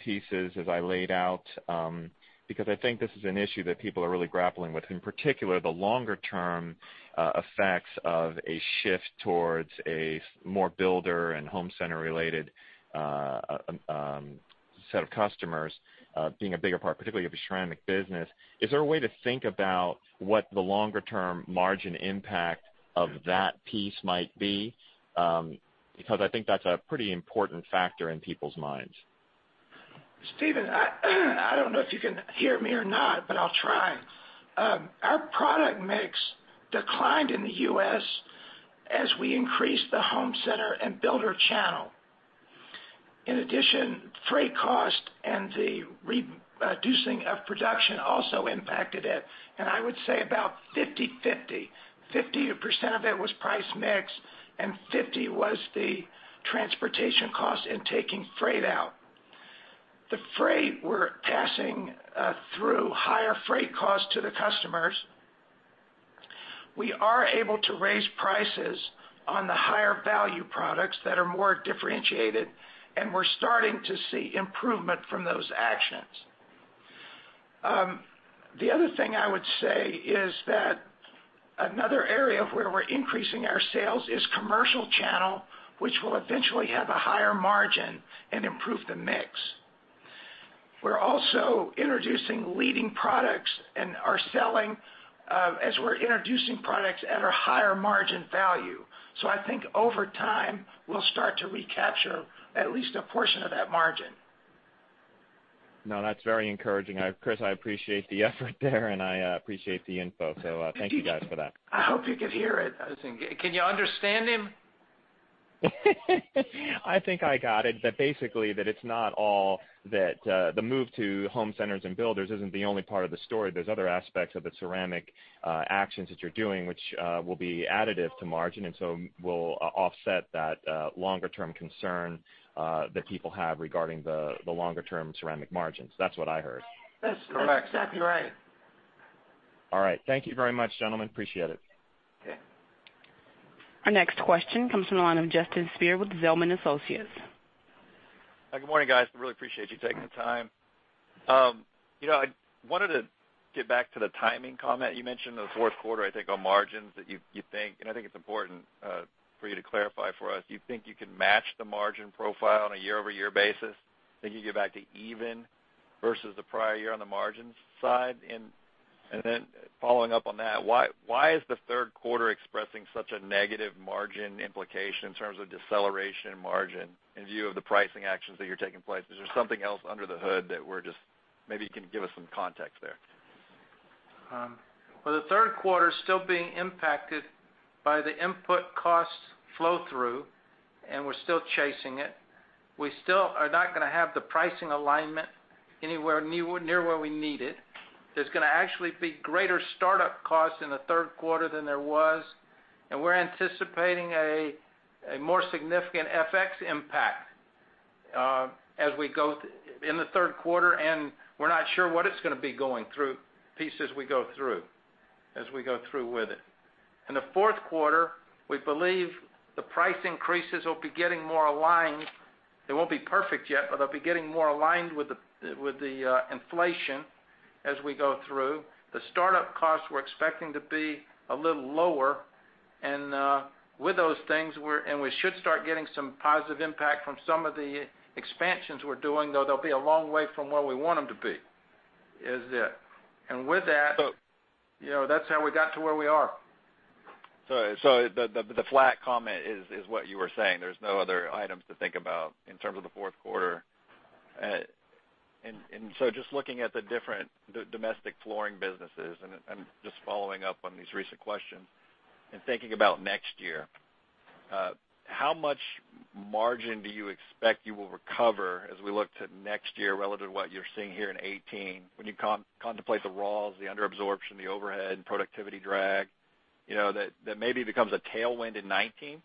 pieces as I laid out? I think this is an issue that people are really grappling with, in particular, the longer-term effects of a shift towards a more builder and home center-related set of customers being a bigger part, particularly of the ceramic business. Is there a way to think about what the longer-term margin impact of that piece might be? I think that's a pretty important factor in people's minds. Stephen, I don't know if you can hear me or not, but I'll try. Our product mix declined in the U.S. as we increased the home center and builder channel. In addition, freight cost and the reducing of production also impacted it, I would say about 50/50% of it was price mix, and 50% was the transportation cost in taking freight out. The freight, we're passing through higher freight costs to the customers. We are able to raise prices on the higher value products that are more differentiated, and we're starting to see improvement from those actions. The other thing I would say is that another area where we're increasing our sales is commercial channel, which will eventually have a higher margin and improve the mix. We're also introducing leading products and are selling as we're introducing products at a higher margin value. I think over time, we'll start to recapture at least a portion of that margin. No, that's very encouraging. Chris, I appreciate the effort there and I appreciate the info. Thank you guys for that. I hope you could hear it. Can you understand him? I think I got it. Basically, that it's not all that the move to home centers and builders isn't the only part of the story. There's other aspects of the ceramic actions that you're doing, which will be additive to margin and so will offset that longer-term concern that people have regarding the longer-term ceramic margins. That's what I heard. That's exactly right. All right. Thank you very much, gentlemen. Appreciate it. Okay. Our next question comes from the line of Justin Speer with Zelman & Associates. Good morning, guys. I really appreciate you taking the time. I wanted to get back to the timing comment you mentioned in the fourth quarter, I think, on margins that you think, and I think it's important for you to clarify for us. Do you think you can match the margin profile on a year-over-year basis? Think you can get back to even versus the prior year on the margins side? Following up on that, why is the third quarter expressing such a negative margin implication in terms of deceleration margin in view of the pricing actions that you're taking place? Is there something else under the hood that maybe you can give us some context there. Well, the third quarter is still being impacted by the input cost flow-through, and we're still chasing it. We still are not going to have the pricing alignment anywhere near where we need it. There's going to actually be greater startup costs in the third quarter than there was, and we're anticipating a more significant FX impact in the third quarter, and we're not sure what it's going to be going through pieces as we go through with it. In the fourth quarter, we believe the price increases will be getting more aligned. They won't be perfect yet, but they'll be getting more aligned with the inflation as we go through. The startup costs we're expecting to be a little lower. With those things, we should start getting some positive impact from some of the expansions we're doing, though they'll be a long way from where we want them to be. So- That's how we got to where we are. The flat comment is what you were saying. There's no other items to think about in terms of the fourth quarter. Just looking at the different domestic flooring businesses and just following up on these recent questions and thinking about next year, how much margin do you expect you will recover as we look to next year relative to what you're seeing here in 2018 when you contemplate the raws, the under-absorption, the overhead and productivity drag, that maybe becomes a tailwind in 2019?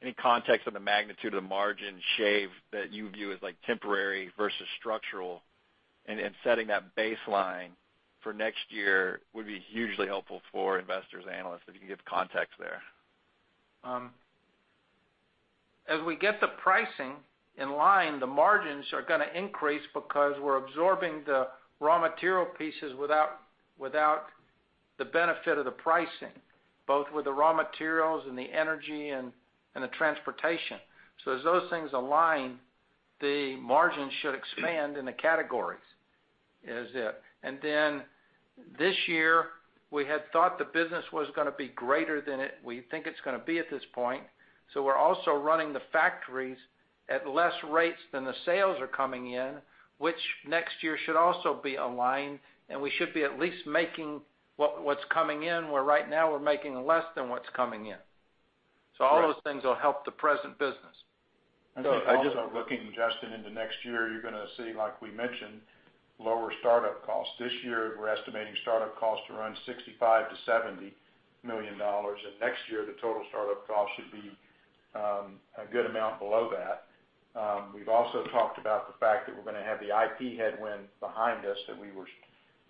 Any context on the magnitude of the margin shave that you view as temporary versus structural and setting that baseline for next year would be hugely helpful for investors, analysts, if you can give context there. As we get the pricing in line, the margins are going to increase because we're absorbing the raw material pieces without the benefit of the pricing, both with the raw materials and the energy and the transportation. As those things align, the margins should expand in the categories. This year, we had thought the business was going to be greater than we think it's going to be at this point. We're also running the factories at less rates than the sales are coming in, which next year should also be aligned, and we should be at least making what's coming in, where right now we're making less than what's coming in. All those things will help the present business. So I just- Also looking, Justin, into next year, you're going to see, like we mentioned, lower startup costs. This year, we're estimating startup costs to run $65 million-$70 million, and next year, the total startup cost should be a good amount below that. We've also talked about the fact that we're going to have the IP headwind behind us, that we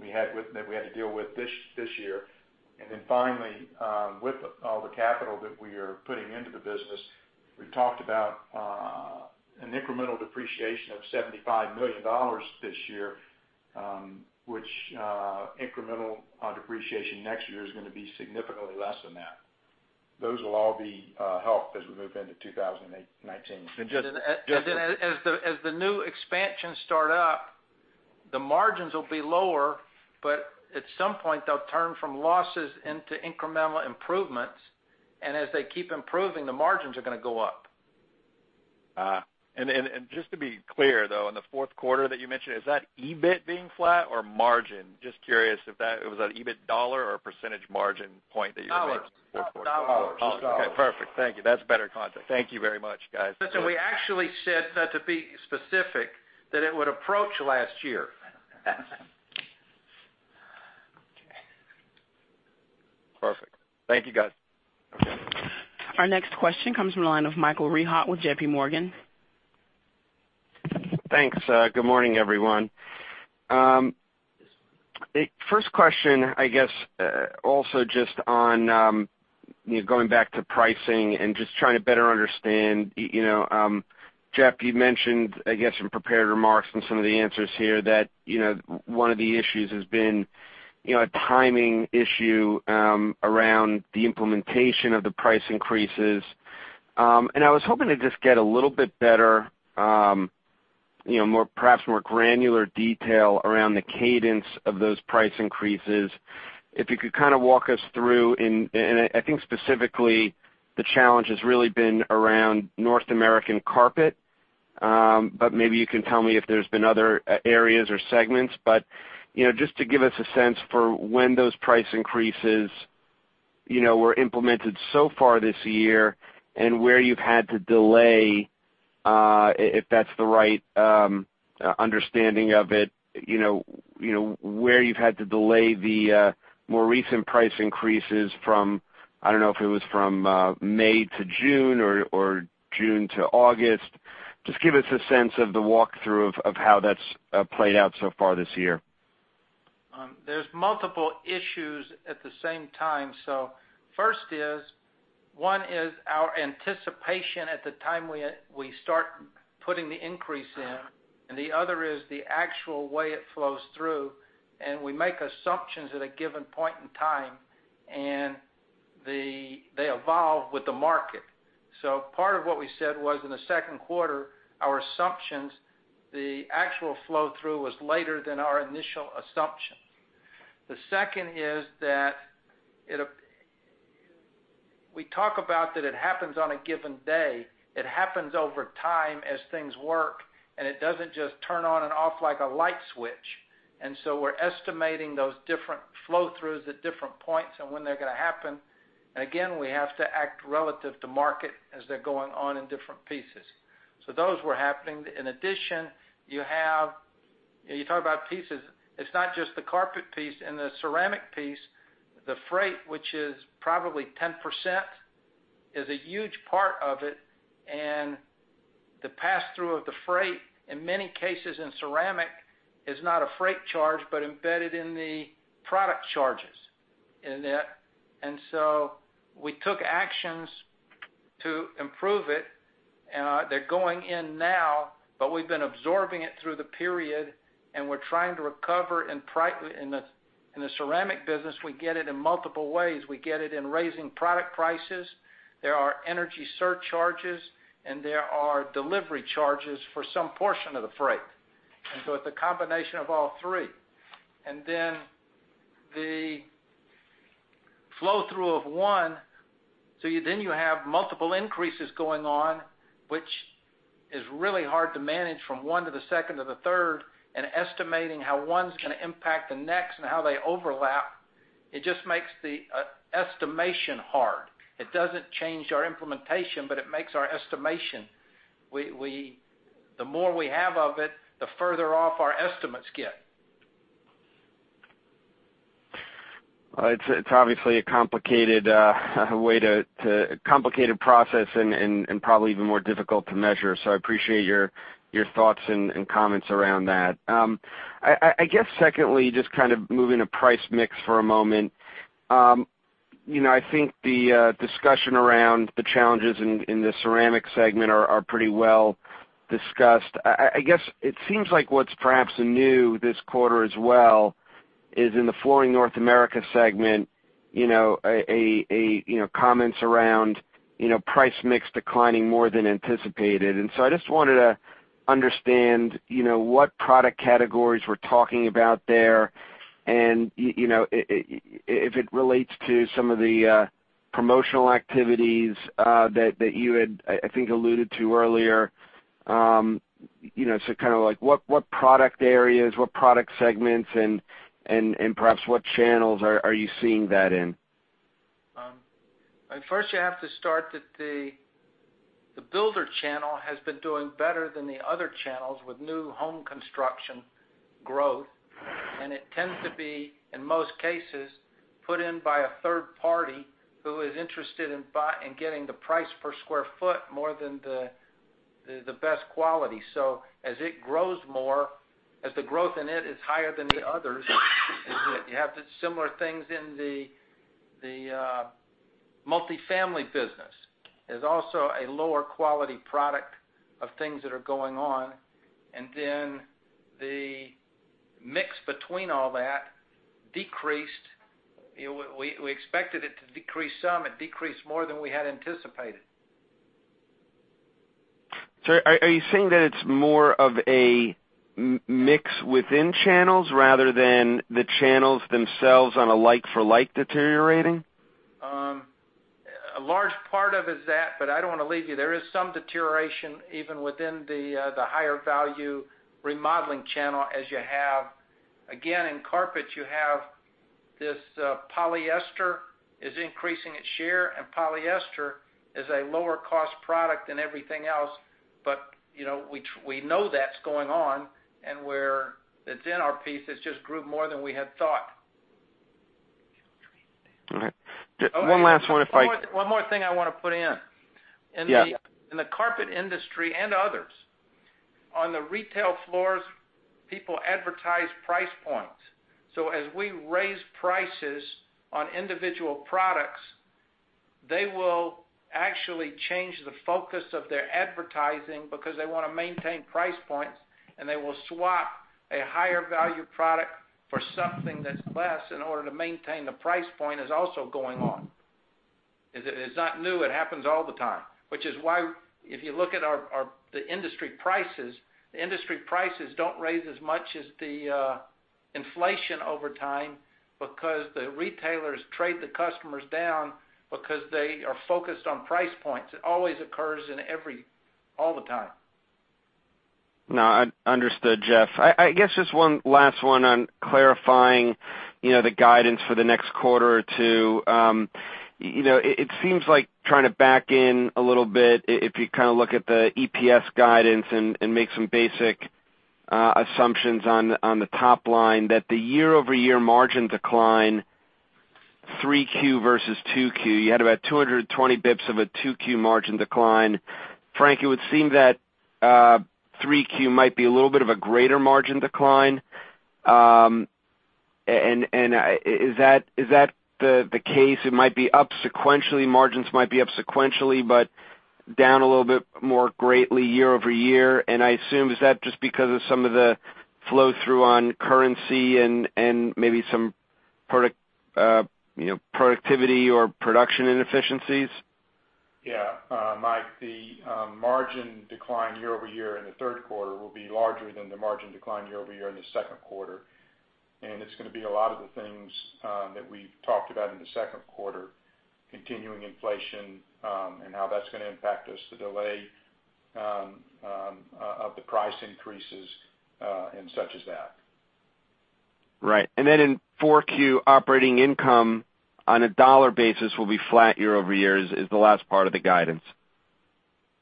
had to deal with this year. Finally, with all the capital that we are putting into the business, we talked about an incremental depreciation of $75 million this year, which incremental depreciation next year is going to be significantly less than that. Those will all be helped as we move into 2019. As the new expansions start up, the margins will be lower, but at some point, they'll turn from losses into incremental improvements. As they keep improving, the margins are going to go up. Just to be clear though, in the fourth quarter that you mentioned, is that EBIT being flat or margin? Just curious if that was an EBIT dollar or percentage margin point that you raised? Dollars. Okay, perfect. Thank you. That's better context. Thank you very much, guys. Listen, we actually said, to be specific, that it would approach last year. Okay. Perfect. Thank you, guys. Our next question comes from the line of Michael Rehaut with JPMorgan. Thanks. Good morning, everyone. First question, I guess, also just on going back to pricing and just trying to better understand. Jeff, you mentioned, I guess, in prepared remarks and some of the answers here that one of the issues has been a timing issue around the implementation of the price increases. I was hoping to just get a little bit better, perhaps more granular detail around the cadence of those price increases. If you could kind of walk us through, and I think specifically the challenge has really been around North American carpet. Maybe you can tell me if there's been other areas or segments. Just to give us a sense for when those price increases were implemented so far this year and where you've had to delay, if that's the right understanding of it, where you've had to delay the more recent price increases from, I don't know if it was from May to June or June to August. Just give us a sense of the walkthrough of how that's played out so far this year. First is, one is our anticipation at the time we start putting the increase in, and the other is the actual way it flows through. We make assumptions at a given point in time, and they evolve with the market. Part of what we said was in the second quarter, our assumptions, the actual flow-through was later than our initial assumption. The second is that we talk about that it happens on a given day. It happens over time as things work, and it doesn't just turn on and off like a light switch. We're estimating those different flow-throughs at different points and when they're going to happen. Again, we have to act relative to market as they're going on in different pieces. Those were happening. In addition, you talk about pieces. It's not just the carpet piece and the ceramic piece. The freight, which is probably 10%, is a huge part of it. The pass-through of the freight, in many cases in ceramic, is not a freight charge, but embedded in the product charges. We took actions to improve it. They're going in now, but we've been absorbing it through the period, and we're trying to recover. In the ceramic business, we get it in multiple ways. We get it in raising product prices. There are energy surcharges, and there are delivery charges for some portion of the freight. It's a combination of all three. The flow-through of one. Then you have multiple increases going on, which is really hard to manage from one to the second to the third, and estimating how one's going to impact the next and how they overlap. It just makes the estimation hard. It doesn't change our implementation, but it makes our estimation. The more we have of it, the further off our estimates get. It's obviously a complicated process and probably even more difficult to measure. I appreciate your thoughts and comments around that. I guess secondly, just kind of moving to price mix for a moment. I think the discussion around the challenges in the ceramic segment are pretty well discussed. I guess it seems like what's perhaps anew this quarter as well is in the Flooring North America segment, comments around price mix declining more than anticipated. I just wanted to understand, what product categories we're talking about there and if it relates to some of the promotional activities that you had, I think, alluded to earlier. Kind of like what product areas, what product segments, and perhaps what channels are you seeing that in? First, you have to start that the builder channel has been doing better than the other channels with new home construction growth. It tends to be, in most cases, put in by a third party who is interested in getting the price per square foot more than the best quality. As it grows more, as the growth in it is higher than the others, you have the similar things in the multifamily business. There is also a lower quality product of things that are going on. The mix between all that decreased. We expected it to decrease some. It decreased more than we had anticipated. Are you saying that it's more of a mix within channels rather than the channels themselves on a like for like deteriorating? A large part of it is that. I don't want to leave you. There is some deterioration, even within the higher value remodeling channel as you have. Again, in carpet, you have this polyester is increasing its share, and polyester is a lower cost product than everything else. We know that's going on, and where it's in our piece, it just grew more than we had thought. All right. One last one if I- One more thing I want to put in. Yeah. In the carpet industry and others, on the retail floors, people advertise price points. As we raise prices on individual products, they will actually change the focus of their advertising because they want to maintain price points, and they will swap a higher value product for something that's less in order to maintain the price point is also going on. It's not new. It happens all the time, which is why if you look at the industry prices, the industry prices don't raise as much as the inflation over time because the retailers trade the customers down because they are focused on price points. It always occurs all the time. No, understood, Jeff. I guess just one last one on clarifying the guidance for the next quarter or two. It seems like trying to back in a little bit, if you look at the EPS guidance and make some basic assumptions on the top line, that the year-over-year margin decline, 3Q versus 2Q, you had about 220 bips of a 2Q margin decline. Frank, it would seem that 3Q might be a little bit of a greater margin decline. Is that the case? It might be up sequentially, margins might be up sequentially, but down a little bit more greatly year-over-year. I assume, is that just because of some of the flow-through on currency and maybe some productivity or production inefficiencies? Yeah. Mike, the margin decline year-over-year in the third quarter will be larger than the margin decline year-over-year in the second quarter. It's going to be a lot of the things that we've talked about in the second quarter, continuing inflation, and how that's going to impact us, the delay of the price increases, and such as that. Right. In 4Q, operating income on a dollar basis will be flat year-over-year is the last part of the guidance.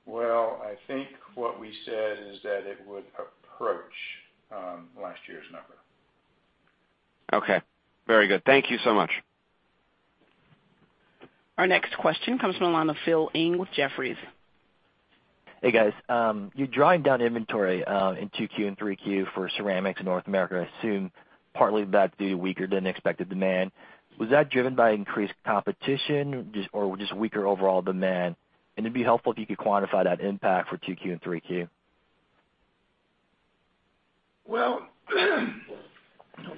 Well, I think what we said is that it would approach last year's number. Okay. Very good. Thank you so much. Our next question comes from the line of Philip Ng with Jefferies. Hey, guys. You're driving down inventory in 2Q and 3Q for ceramics in North America, I assume partly that's due to weaker than expected demand. Was that driven by increased competition or just weaker overall demand? It'd be helpful if you could quantify that impact for 2Q and 3Q. Well,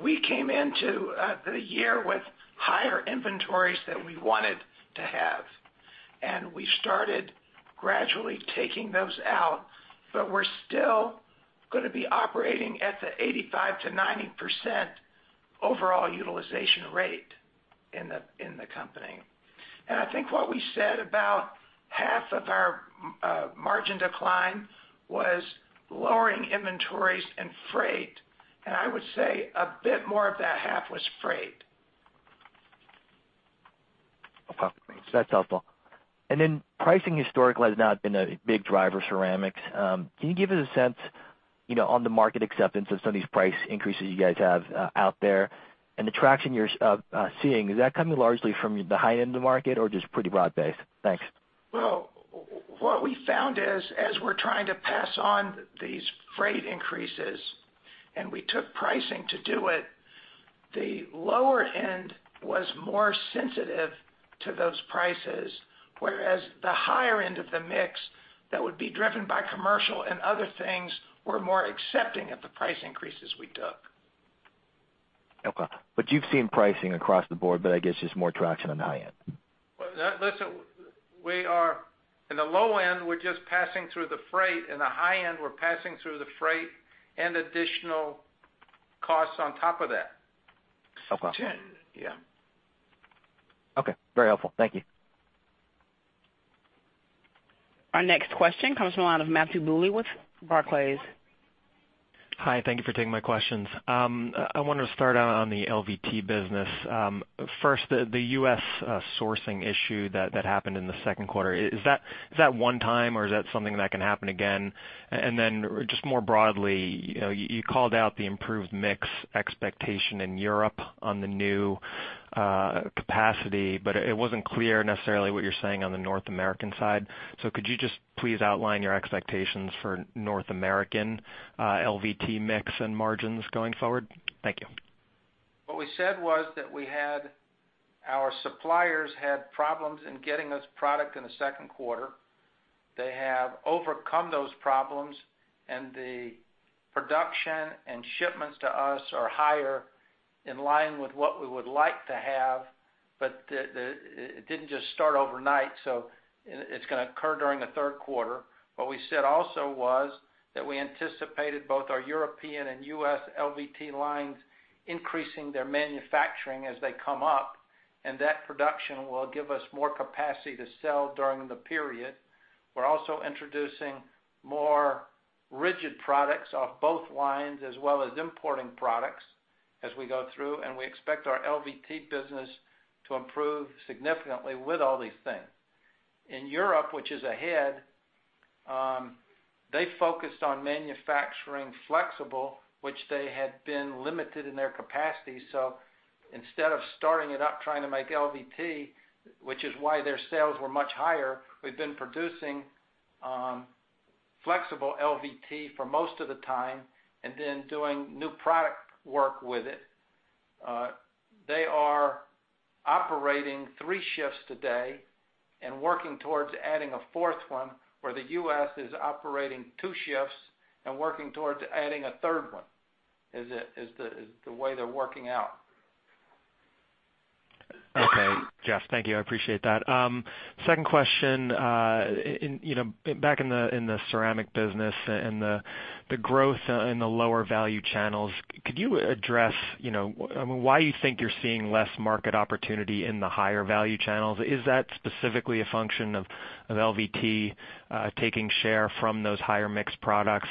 we came into the year with higher inventories than we wanted to have. We started gradually taking those out, but we're still going to be operating at the 85%-90% overall utilization rate in the company. I think what we said about half of our margin decline was lowering inventories and freight. I would say a bit more of that half was freight. Okay. That's helpful. Pricing historically has not been a big driver of ceramics. Can you give us a sense on the market acceptance of some of these price increases you guys have out there? The traction you're seeing, is that coming largely from the high end of the market or just pretty broad-based? Thanks. Well, what we found is, as we're trying to pass on these freight increases, we took pricing to do it, the lower end was more sensitive to those prices, whereas the higher end of the mix that would be driven by commercial and other things were more accepting of the price increases we took. You've seen pricing across the board, but I guess just more traction on the high end. Listen, in the low end, we're just passing through the freight. In the high end, we're passing through the freight and additional costs on top of that. Okay. Yeah. Okay. Very helpful. Thank you. Our next question comes from the line of Matthew Bouley with Barclays. Hi, thank you for taking my questions. I wanted to start out on the LVT business. First, the U.S. sourcing issue that happened in the second quarter, is that one-time, or is that something that can happen again? More broadly, you called out the improved mix expectation in Europe on the new capacity, it wasn't clear necessarily what you're saying on the North American side. Could you just please outline your expectations for North American LVT mix and margins going forward? Thank you. What we said was that our suppliers had problems in getting us product in the second quarter. They have overcome those problems, the production and shipments to us are higher, in line with what we would like to have. It didn't just start overnight, so it's going to occur during the third quarter. What we said also was that we anticipated both our European and U.S. LVT lines increasing their manufacturing as they come up, and that production will give us more capacity to sell during the period. We're also introducing more rigid products off both lines, as well as importing products as we go through, and we expect our LVT business to improve significantly with all these things. In Europe, which is ahead, they focused on manufacturing flexible, which they had been limited in their capacity. Instead of starting it up trying to make LVT, which is why their sales were much higher, we've been producing flexible LVT for most of the time and then doing new product work with it. They are operating three shifts today and working towards adding a fourth one, where the U.S. is operating two shifts and working towards adding a third one. Is the way they're working out. Okay, Jeff. Thank you. I appreciate that. Second question. Back in the ceramic business and the growth in the lower value channels, could you address why you think you're seeing less market opportunity in the higher value channels? Is that specifically a function of LVT taking share from those higher mix products?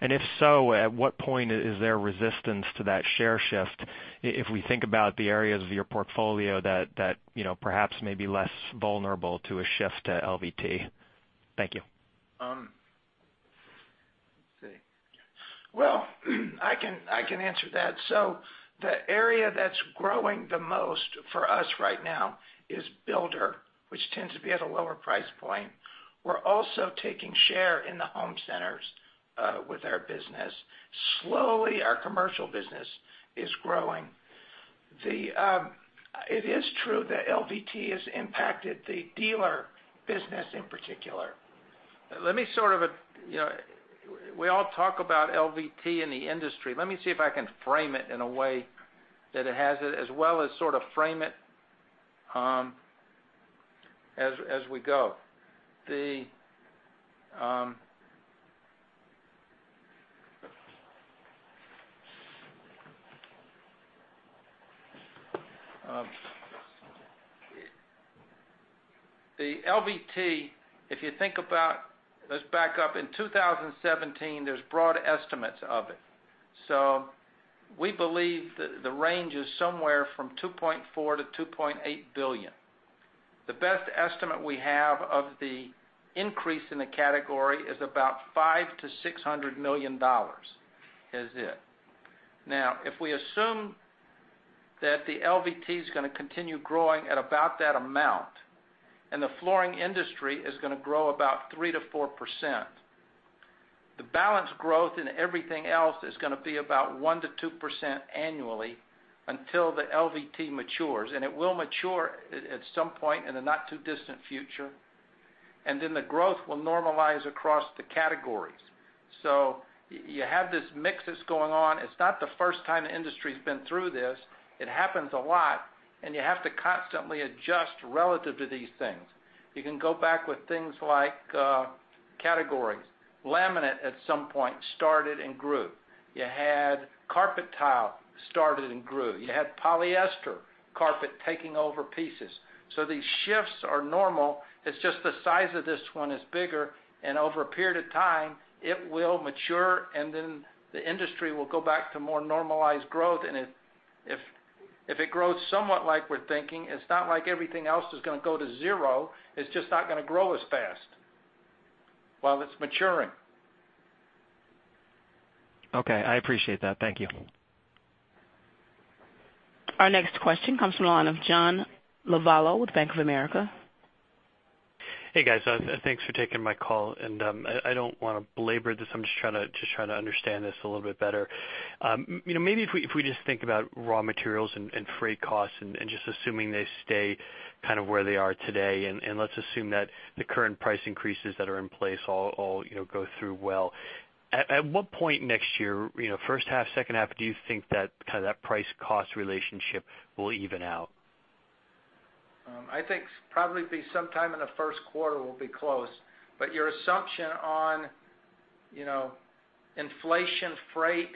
If so, at what point is there resistance to that share shift? If we think about the areas of your portfolio that perhaps may be less vulnerable to a shift to LVT. Thank you. Let's see. Well, I can answer that. The area that's growing the most for us right now is builder, which tends to be at a lower price point. We're also taking share in the home centers with our business. Slowly, our commercial business is growing. It is true that LVT has impacted the dealer business in particular. We all talk about LVT in the industry. Let me see if I can frame it in a way that it has it, as well as sort of frame it as we go. Let's back up. In 2017, there's broad estimates of it. We believe that the range is somewhere from $2.4 billion-$2.8 billion. The best estimate we have of the increase in the category is about $500 million-$600 million, is it. Now, if we assume that the LVT is going to continue growing at about that amount, and the flooring industry is going to grow about 3%-4%, the balance growth in everything else is going to be about 1%-2% annually until the LVT matures. It will mature at some point in the not-too-distant future. Then the growth will normalize across the categories. You have this mix that's going on. It's not the first time the industry's been through this. It happens a lot, and you have to constantly adjust relative to these things. You can go back with things like categories. Laminate, at some point, started and grew. You had carpet tile started and grew. You had polyester carpet taking over pieces. These shifts are normal. It's just the size of this one is bigger, and over a period of time, it will mature, and then the industry will go back to more normalized growth. If it grows somewhat like we're thinking, it's not like everything else is going to go to zero. It's just not going to grow as fast while it's maturing. Okay. I appreciate that. Thank you. Our next question comes from the line of John Lovallo with Bank of America. Hey, guys. Thanks for taking my call. I don't want to belabor this. I'm just trying to understand this a little bit better. Maybe if we just think about raw materials and freight costs and just assuming they stay kind of where they are today, let's assume that the current price increases that are in place all go through well. At what point next year, first half, second half, do you think that kind of that price cost relationship will even out? I think probably be sometime in the first quarter, we'll be close. Your assumption on inflation, freight,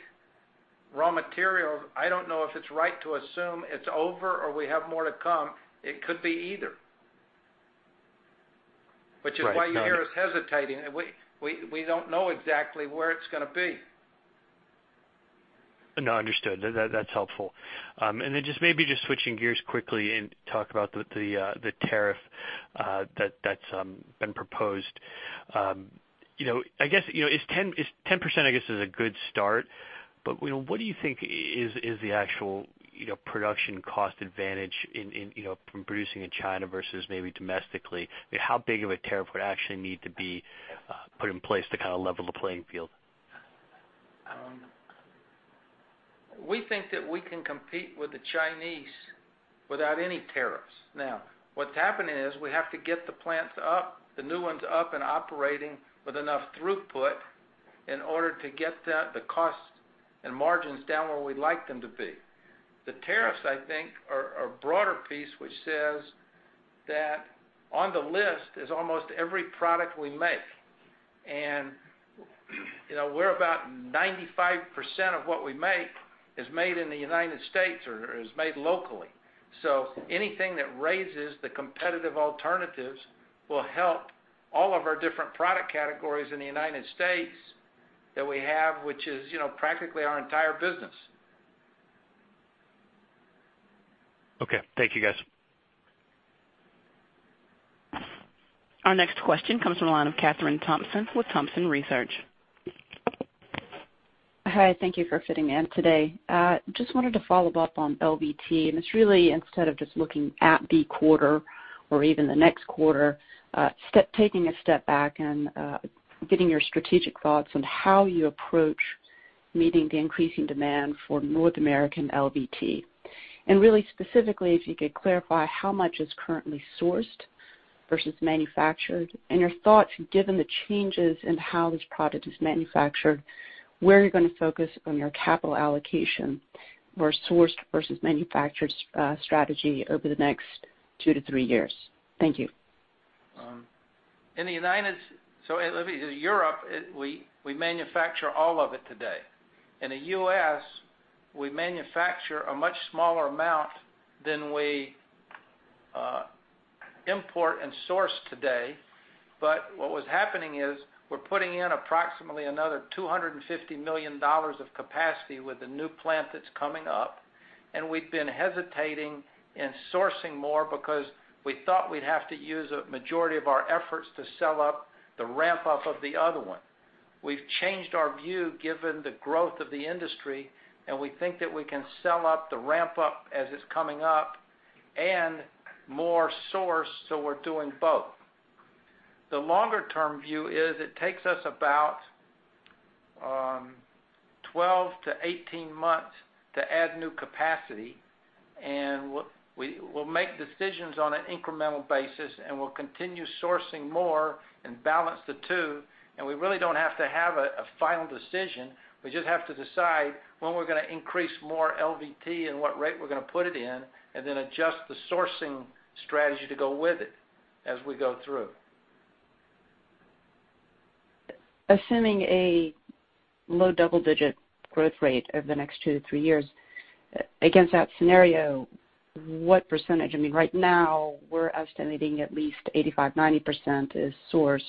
raw materials, I don't know if it's right to assume it's over or we have more to come. It could be either. Which is why you hear us hesitating. We don't know exactly where it's going to be. No, understood. That's helpful. Just maybe just switching gears quickly and talk about the tariff that's been proposed. I guess 10% is a good start, what do you think is the actual production cost advantage from producing in China versus maybe domestically? How big of a tariff would actually need to be put in place to level the playing field? We think that we can compete with the Chinese without any tariffs. Now, what's happened is we have to get the plants up, the new ones up and operating with enough throughput in order to get the cost and margins down where we'd like them to be. The tariffs, I think, are a broader piece which says that on the list is almost every product we make. We're about 95% of what we make is made in the U.S. or is made locally. Anything that raises the competitive alternatives will help all of our different product categories in the U.S. that we have, which is practically our entire business. Okay. Thank you, guys. Our next question comes from the line of Kathryn Thompson with Thompson Research Group. Hi, thank you for fitting me in today. Just wanted to follow up on LVT. It's really instead of just looking at the quarter or even the next quarter, taking a step back and getting your strategic thoughts on how you approach meeting the increasing demand for North American LVT. Really specifically, if you could clarify how much is currently sourced versus manufactured, and your thoughts given the changes in how this product is manufactured, where you're going to focus on your capital allocation for sourced versus manufactured strategy over the next two to three years. Thank you. In Europe, we manufacture all of it today. In the U.S., we manufacture a much smaller amount than we import and source today. What was happening is we're putting in approximately another $250 million of capacity with the new plant that's coming up, and we've been hesitating in sourcing more because we thought we'd have to use a majority of our efforts to sell up the ramp-up of the other one. We've changed our view given the growth of the industry, and we think that we can sell up the ramp-up as it's coming up and more source, so we're doing both. The longer-term view is it takes us about 12 to 18 months to add new capacity, and we'll make decisions on an incremental basis, and we'll continue sourcing more and balance the two, and we really don't have to have a final decision. We just have to decide when we're going to increase more LVT and what rate we're going to put it in, and then adjust the sourcing strategy to go with it as we go through. Assuming a low double-digit growth rate over the next two to three years, against that scenario, what percentage, right now we're estimating at least 85%, 90% is sourced,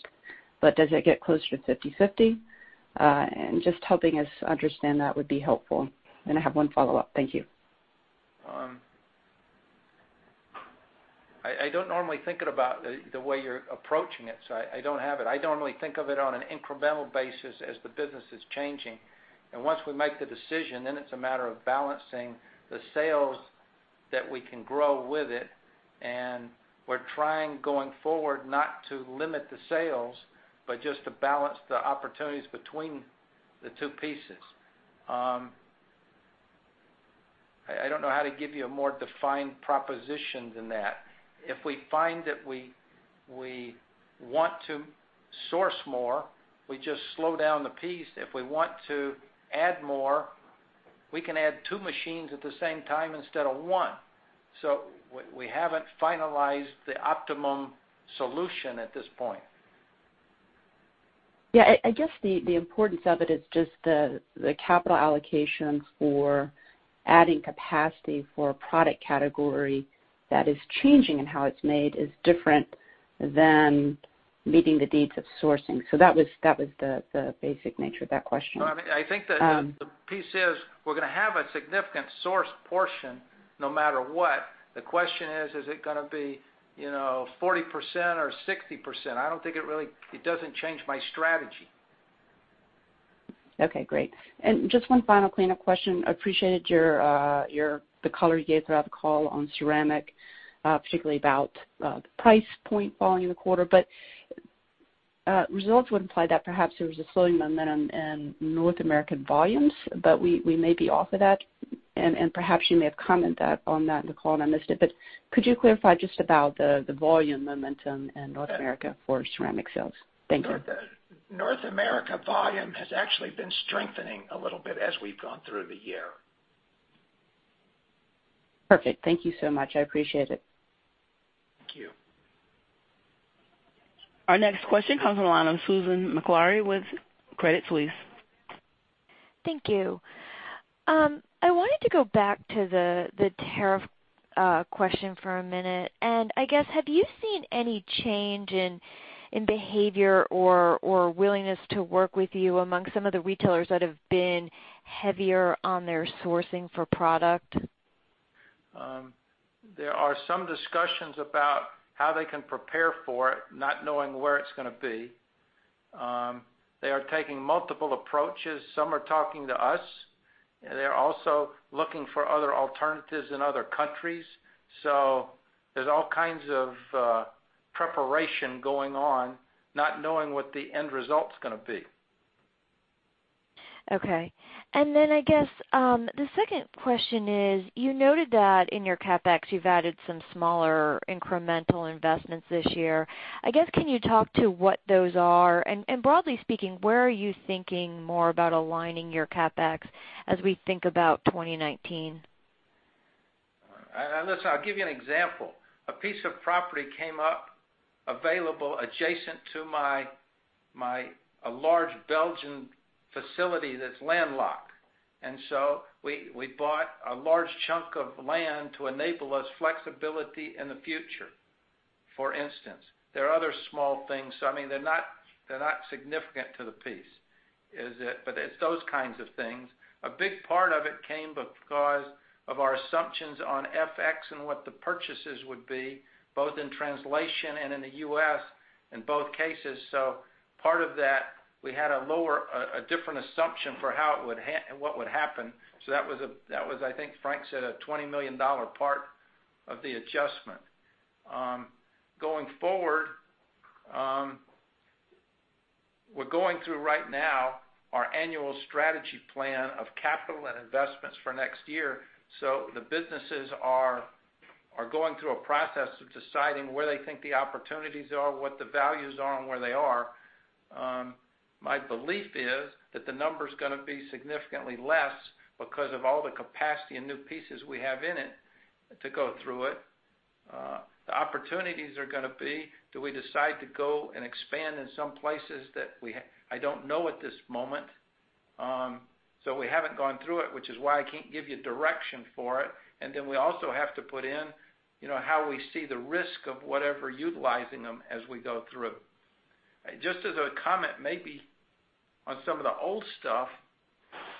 but does it get closer to 50/50? Just helping us understand that would be helpful. I have one follow-up. Thank you. I don't normally think about it the way you're approaching it, so I don't have it. I normally think of it on an incremental basis as the business is changing. Once we make the decision, then it's a matter of balancing the sales that we can grow with it. We're trying going forward not to limit the sales, but just to balance the opportunities between the two pieces. I don't know how to give you a more defined proposition than that. If we find that we want to source more, we just slow down the piece. If we want to add more, we can add two machines at the same time instead of one. We haven't finalized the optimum solution at this point. Yeah, I guess the importance of it is just the capital allocation for adding capacity for a product category that is changing in how it's made is different than meeting the needs of sourcing. That was the basic nature of that question. I think that the piece is we're going to have a significant source portion no matter what. The question is it going to be 40% or 60%? It doesn't change my strategy. Okay, great. Just one final cleanup question. Appreciated the color you gave throughout the call on ceramic, particularly about the price point volume quarter. Results would imply that perhaps there was a slowing momentum in North American volumes, but we may be off of that. Perhaps you may have commented on that in the call, and I missed it, but could you clarify just about the volume momentum in North America for ceramic sales? Thank you. North America volume has actually been strengthening a little bit as we've gone through the year. Perfect. Thank you so much. I appreciate it. Thank you. Our next question comes from the line of Susan Maklari with Credit Suisse. Thank you. I wanted to go back to the tariff question for a minute. I guess, have you seen any change in behavior or willingness to work with you among some of the retailers that have been heavier on their sourcing for product? There are some discussions about how they can prepare for it, not knowing where it's going to be. They are taking multiple approaches. Some are talking to us. They're also looking for other alternatives in other countries. There's all kinds of preparation going on, not knowing what the end result's going to be. Okay. I guess, the second question is, you noted that in your CapEx, you've added some smaller incremental investments this year. I guess, can you talk to what those are? Broadly speaking, where are you thinking more about aligning your CapEx as we think about 2019? Listen, I'll give you an example. A piece of property came up available adjacent to my large Belgian facility that's landlocked. We bought a large chunk of land to enable us flexibility in the future, for instance. There are other small things. They're not significant to the piece. It's those kinds of things. A big part of it came because of our assumptions on FX and what the purchases would be, both in translation and in the U.S. in both cases. Part of that, we had a different assumption for what would happen. That was, I think Frank said, a $20 million part of the adjustment. Going forward, we're going through right now our annual strategy plan of capital and investments for next year. The businesses are going through a process of deciding where they think the opportunities are, what the values are, and where they are. My belief is that the number's going to be significantly less because of all the capacity and new pieces we have in it to go through it. The opportunities are going to be, do we decide to go and expand in some places that I don't know at this moment? We haven't gone through it, which is why I can't give you direction for it. We also have to put in how we see the risk of whatever utilizing them as we go through. Just as a comment, maybe on some of the old stuff,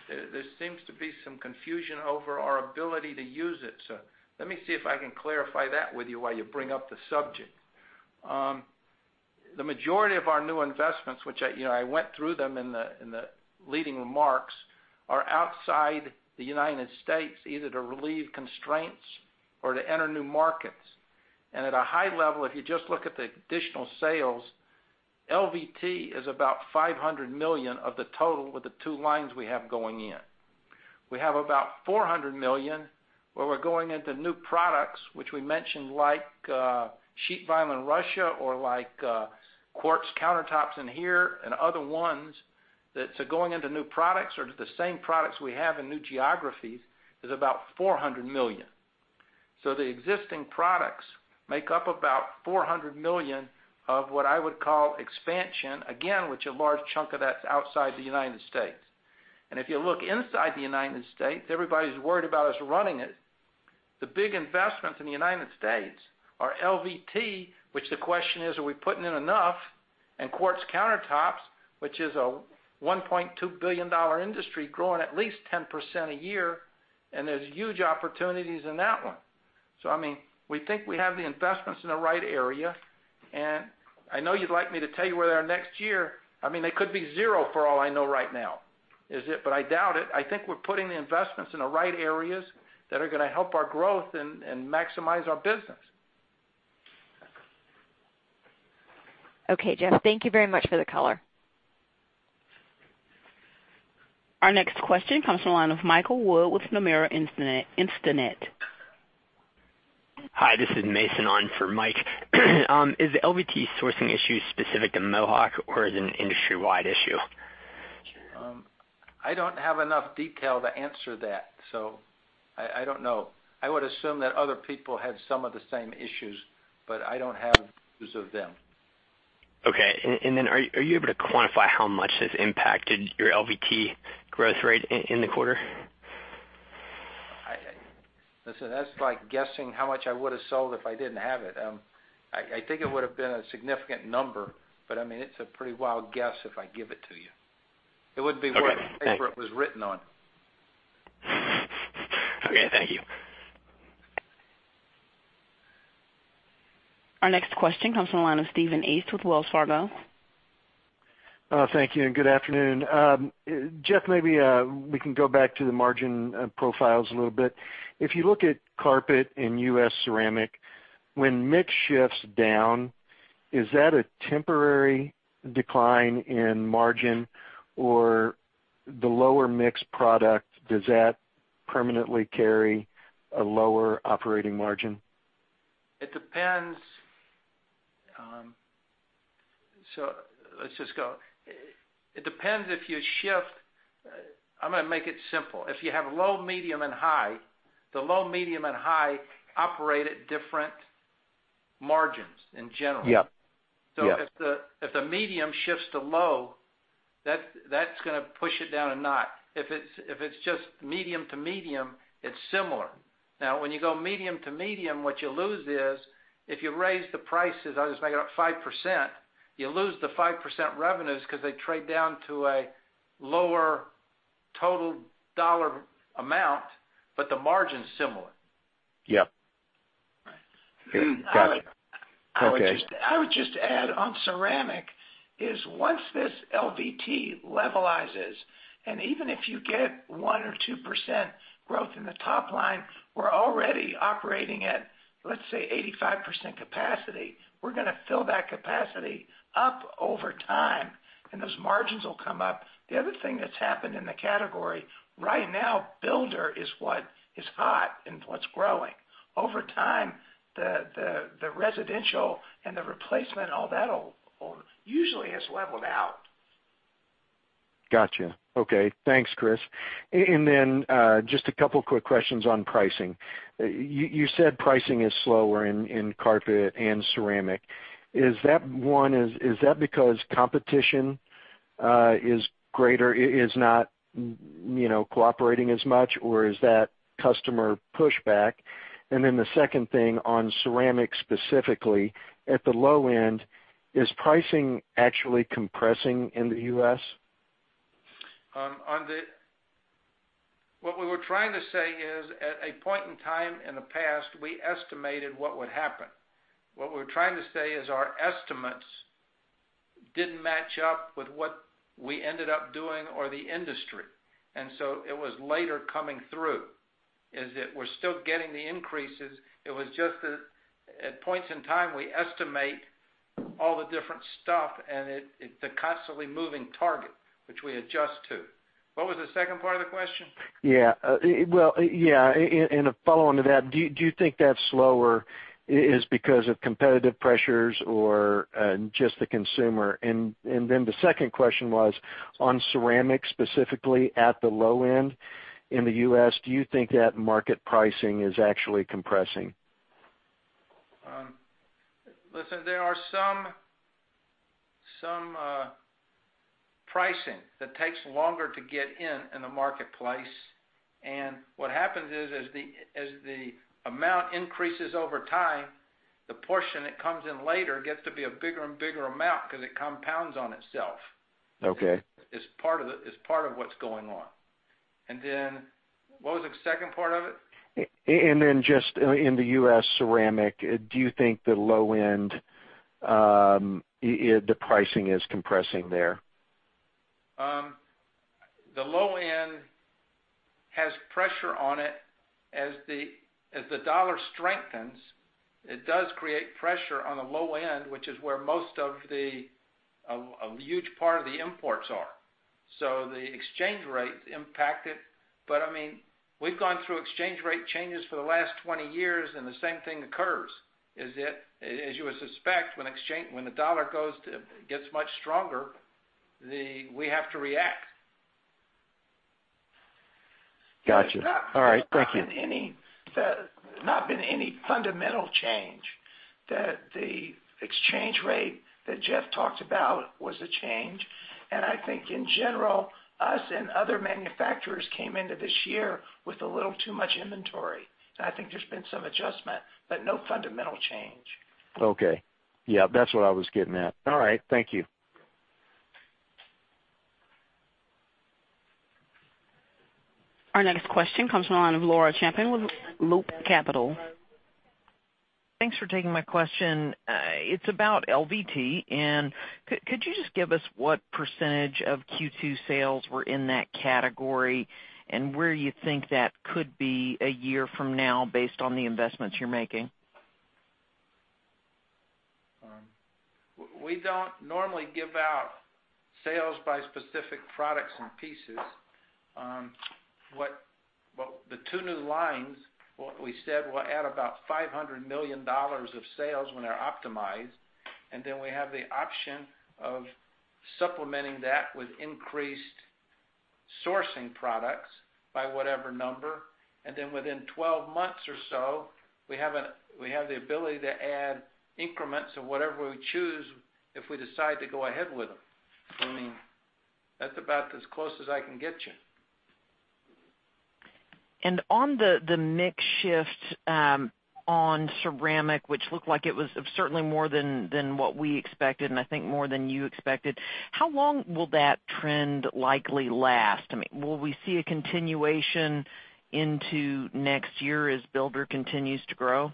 there seems to be some confusion over our ability to use it. Let me see if I can clarify that with you while you bring up the subject. The majority of our new investments, which I went through them in the leading remarks, are outside the United States, either to relieve constraints or to enter new markets. At a high level, if you just look at the additional sales, LVT is about $500 million of the total with the two lines we have going in. We have about $400 million where we're going into new products, which we mentioned like sheet vinyl in Russia or like quartz countertops in here and other ones that are going into new products or to the same products we have in new geographies is about $400 million. The existing products make up about $400 million of what I would call expansion, again, which a large chunk of that's outside the United States. If you look inside the United States, everybody's worried about us running it. The big investments in the United States are LVT, which the question is, are we putting in enough? And quartz countertops, which is a $1.2 billion industry growing at least 10% a year, and there's huge opportunities in that one. We think we have the investments in the right area, and I know you'd like me to tell you where they are next year. They could be zero for all I know right now. I doubt it. I think we're putting the investments in the right areas that are going to help our growth and maximize our business. Okay, Jeff, thank you very much for the color. Our next question comes from the line of Mike Wood with Nomura Instinet. Hi, this is Mason on for Mike. Is the LVT sourcing issue specific to Mohawk or is it an industry-wide issue? I don't have enough detail to answer that, so I don't know. I would assume that other people have some of the same issues, but I don't have news of them. Okay. Are you able to quantify how much this impacted your LVT growth rate in the quarter? Listen, that's like guessing how much I would've sold if I didn't have it. I think it would've been a significant number, but it's a pretty wild guess if I give it to you. It wouldn't be what. Okay. Thanks. the paper it was written on. Okay. Thank you. Our next question comes from the line of Stephen East with Wells Fargo. Thank you, and good afternoon. Jeff, maybe we can go back to the margin profiles a little bit. If you look at carpet in U.S. ceramic, when mix shifts down, is that a temporary decline in margin or the lower mix product, does that permanently carry a lower operating margin? It depends. Let's just go. It depends if you shift. I'm going to make it simple. If you have low, medium, and high, the low, medium, and high operate at different margins in general. Yep. If the medium shifts to low, that's going to push it down a notch. If it's just medium to medium, it's similar. Now, when you go medium to medium, what you lose is if you raise the prices, I'll just make it up 5%, you lose the 5% revenues because they trade down to a lower total dollar amount, the margin's similar. Yep. Right. Got you. Okay. I would just add on ceramic is once this LVT levelizes, even if you get 1% or 2% growth in the top line, we're already operating at, let's say, 85% capacity. We're going to fill that capacity up over time, and those margins will come up. The other thing that's happened in the category, right now, builder is what is hot and what's growing. Over time, the residential and the replacement, all that usually has leveled out. Got you. Okay. Thanks, Chris. Then, just a couple quick questions on pricing. You said pricing is slower in carpet and ceramic. One, is that because competition is greater, is not cooperating as much, or is that customer pushback? Then the second thing on ceramic specifically, at the low end, is pricing actually compressing in the U.S.? What we were trying to say is at a point in time in the past, we estimated what would happen. What we're trying to say is our estimates didn't match up with what we ended up doing or the industry. So it was later coming through, is that we're still getting the increases. It was just that at points in time, we estimate all the different stuff and it's a constantly moving target, which we adjust to. What was the second part of the question? A follow-on to that, do you think that's slower is because of competitive pressures or just the consumer? The second question was on ceramic, specifically at the low end in the U.S., do you think that market pricing is actually compressing? Listen, there are some pricing that takes longer to get in the marketplace. What happens is as the amount increases over time, the portion that comes in later gets to be a bigger and bigger amount because it compounds on itself. Okay. It's part of what's going on. What was the second part of it? Just in the U.S. ceramic, do you think the low end, the pricing is compressing there? The low end has pressure on it. As the dollar strengthens, it does create pressure on the low end, which is where a huge part of the imports are. The exchange rate impact it. We've gone through exchange rate changes for the last 20 years, and the same thing occurs, is that as you would suspect, when the dollar gets much stronger, we have to react. Got you. All right. Thank you. There's not been any fundamental change. The exchange rate that Jeff talked about was a change. I think in general, us and other manufacturers came into this year with a little too much inventory. I think there's been some adjustment, but no fundamental change. Okay. Yeah, that's what I was getting at. All right. Thank you. Our next question comes from the line of Laura Champine with Loop Capital. Thanks for taking my question. It's about LVT. Could you just give us what % of Q2 sales were in that category and where you think that could be a year from now based on the investments you're making? We don't normally give out sales by specific products and pieces. The two new lines, what we said will add about $500 million of sales when they're optimized, then we have the option of supplementing that with increased sourcing products by whatever number. Then within 12 months or so, we have the ability to add increments of whatever we choose if we decide to go ahead with them. That's about as close as I can get you. On the mix shift on ceramic, which looked like it was certainly more than what we expected, and I think more than you expected, how long will that trend likely last? Will we see a continuation into next year as builder continues to grow?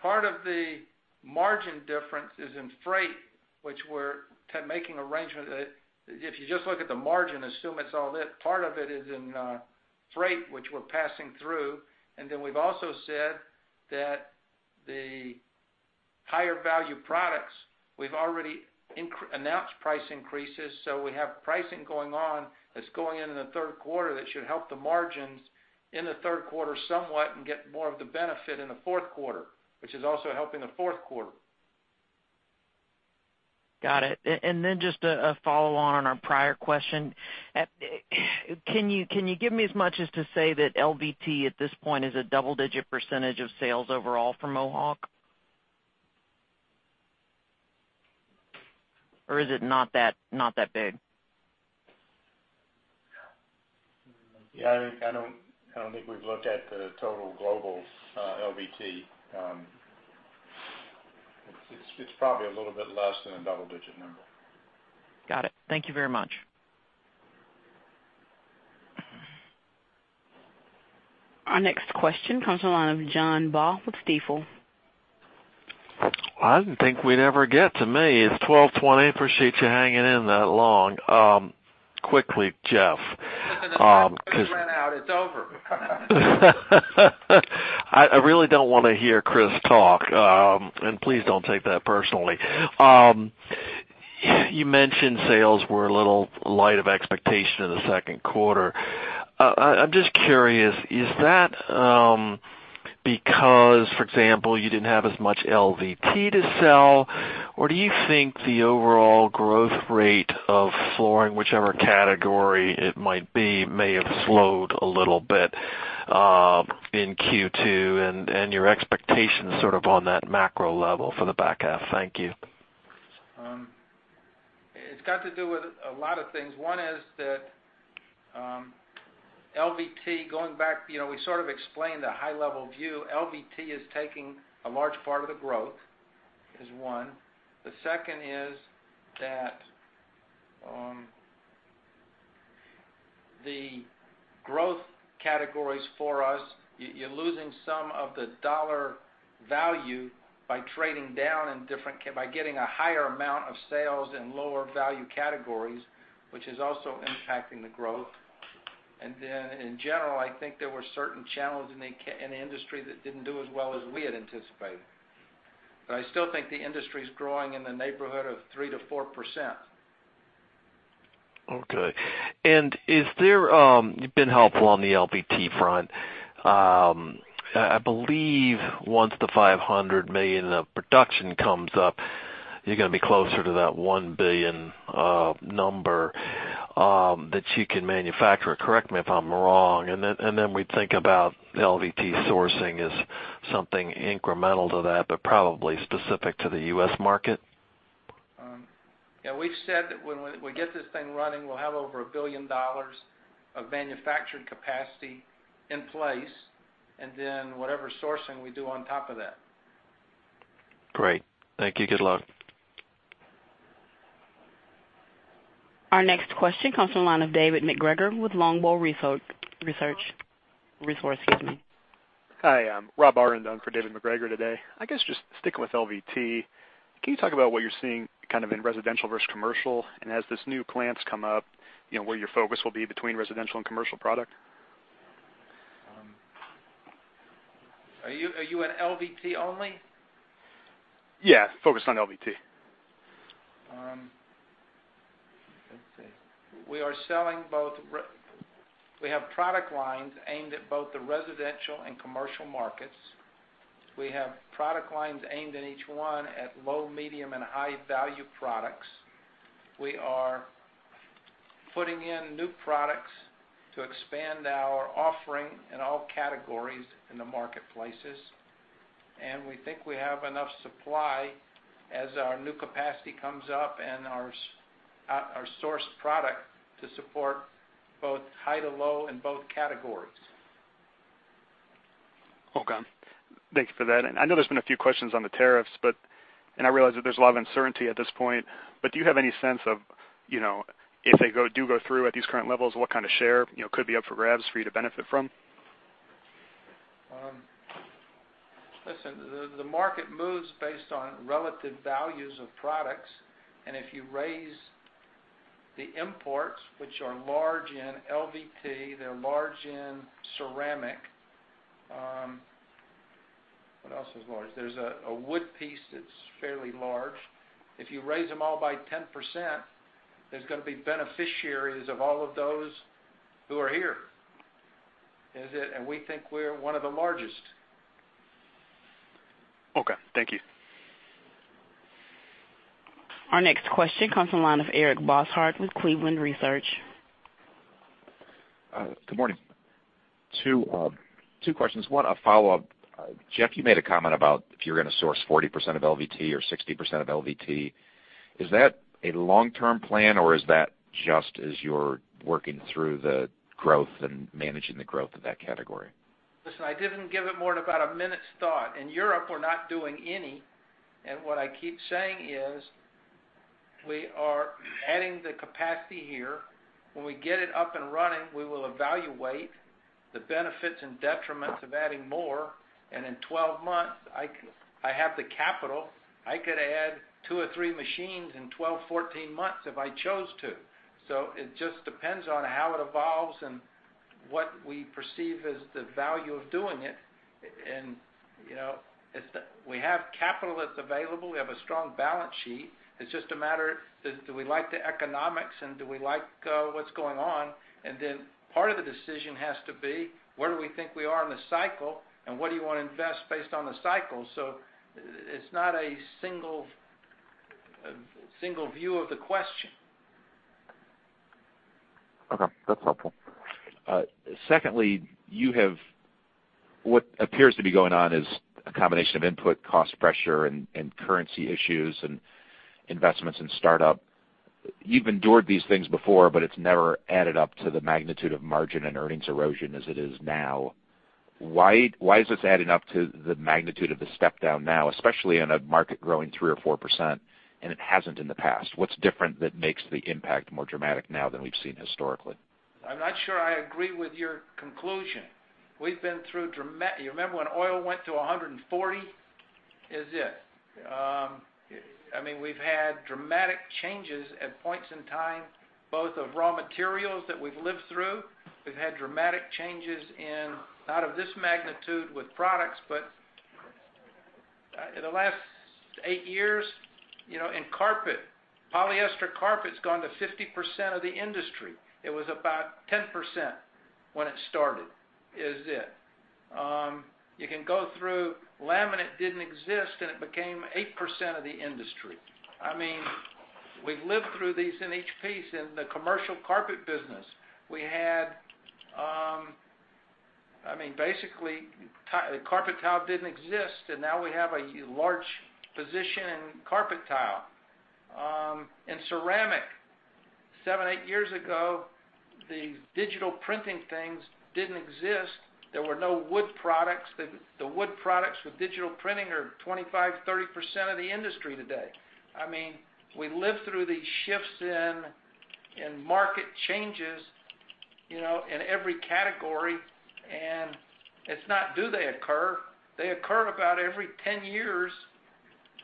Part of the margin difference is in freight, which we're making arrangement. If you just look at the margin, assume it's all it. Part of it is in freight, which we're passing through. We've also said that the higher value products, we've already announced price increases. We have pricing going on that's going in in the third quarter that should help the margins in the third quarter somewhat and get more of the benefit in the fourth quarter, which is also helping the fourth quarter. Got it. Just a follow-on on our prior question. Can you give me as much as to say that LVT at this point is a double-digit % of sales overall for Mohawk? Or is it not that big? I don't think we've looked at the total global LVT. It's probably a little bit less than a double-digit number. Got it. Thank you very much. Our next question comes from the line of John Baugh with Stifel. I didn't think we'd ever get to me. It's 12:20. Appreciate you hanging in that long. Quickly, Jeff. Listen, if the coffee ran out, it's over. I really don't want to hear Chris talk, and please don't take that personally. You mentioned sales were a little light of expectation in the second quarter. I'm just curious, is that because, for example, you didn't have as much LVT to sell, or do you think the overall growth rate of flooring, whichever category it might be, may have slowed a little bit in Q2, and your expectations sort of on that macro level for the back half? Thank you. It's got to do with a lot of things. One is that LVT, going back, we sort of explained the high-level view. LVT is taking a large part of the growth, is one. The second is that the growth categories for us, you're losing some of the dollar value by trading down by getting a higher amount of sales in lower value categories, which is also impacting the growth. In general, I think there were certain channels in the industry that didn't do as well as we had anticipated. I still think the industry's growing in the neighborhood of 3%-4%. Okay. You've been helpful on the LVT front. I believe once the $500 million of production comes up, you're going to be closer to that $1 billion number that you can manufacture. Correct me if I'm wrong. We think about LVT sourcing as something incremental to that, but probably specific to the U.S. market? Yeah, we've said that when we get this thing running, we'll have over $1 billion of manufactured capacity in place, and then whatever sourcing we do on top of that. Great. Thank you. Good luck. Our next question comes from the line of David MacGregor with Longbow Research. Excuse me. Hi, Rob Arend on for David MacGregor today. I guess just sticking with LVT, can you talk about what you're seeing kind of in residential versus commercial, and as these new plants come up, where your focus will be between residential and commercial product? Are you in LVT only? Yeah, focused on LVT. Let's see. We have product lines aimed at both the residential and commercial markets. We have product lines aimed in each one at low, medium, and high-value products. We are putting in new products to expand our offering in all categories in the marketplaces. We think we have enough supply as our new capacity comes up and our sourced product to support both high to low in both categories. Okay. Thank you for that. I know there's been a few questions on the tariffs, but I realize that there's a lot of uncertainty at this point, but do you have any sense of if they do go through at these current levels, what kind of share could be up for grabs for you to benefit from? Listen, the market moves based on relative values of products. If you raise the imports, which are large in LVT, they're large in ceramic. What else is large? There's a wood piece that's fairly large. If you raise them all by 10%, there's going to be beneficiaries of all of those who are here. Is it? We think we're one of the largest. Okay. Thank you. Our next question comes from the line of Eric Bosshard with Cleveland Research Company. Good morning. Two questions. One, a follow-up. Jeff, you made a comment about if you are going to source 40% of LVT or 60% of LVT. Is that a long-term plan, or is that just as you are working through the growth and managing the growth of that category? Listen, I did not give it more than about a minute's thought. In Europe, we are not doing any, and what I keep saying is we are adding the capacity here. When we get it up and running, we will evaluate the benefits and detriments of adding more. In 12 months, I have the capital, I could add two or three machines in 12, 14 months if I chose to. It just depends on how it evolves and what we perceive as the value of doing it. We have capital that is available. We have a strong balance sheet. It is just a matter of, do we like the economics and do we like what is going on? Part of the decision has to be, where do we think we are in the cycle and what do you want to invest based on the cycle? It is not a single view of the question. Okay. That's helpful. Secondly, you have what appears to be going on is a combination of input cost pressure and currency issues and investments in startup. You've endured these things before, but it's never added up to the magnitude of margin and earnings erosion as it is now. Why is this adding up to the magnitude of the step down now, especially in a market growing 3% or 4%, and it hasn't in the past? What's different that makes the impact more dramatic now than we've seen historically? I'm not sure I agree with your conclusion. You remember when oil went to 140? We've had dramatic changes at points in time, both of raw materials that we've lived through. We've had dramatic changes in, not of this magnitude, with products, but in the last 8 years, in carpet, polyester carpet's gone to 50% of the industry. It was about 10% when it started. You can go through, laminate didn't exist, and it became 8% of the industry. We've lived through these in each piece. In the commercial carpet business, basically, carpet tile didn't exist, and now we have a large position in carpet tile. In ceramic, 7, 8 years ago, the digital printing things didn't exist. There were no wood products. The wood products with digital printing are 25%, 30% of the industry today. We live through these shifts in market changes in every category, it's not do they occur. They occur about every 10 years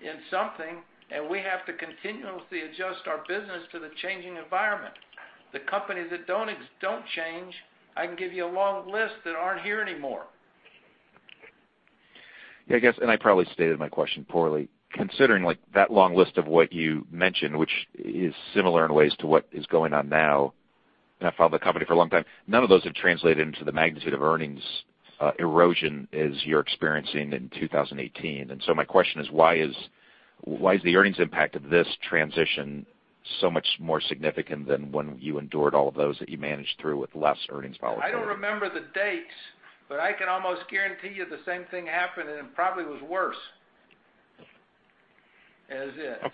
in something, we have to continuously adjust our business to the changing environment. The companies that don't change, I can give you a long list that aren't here anymore. I guess, I probably stated my question poorly, considering that long list of what you mentioned, which is similar in ways to what is going on now, I've followed the company for a long time, none of those have translated into the magnitude of earnings erosion as you're experiencing in 2018. My question is, why is the earnings impact of this transition so much more significant than when you endured all of those that you managed through with less earnings volatility? I don't remember the dates, but I can almost guarantee you the same thing happened, and it probably was worse. Okay.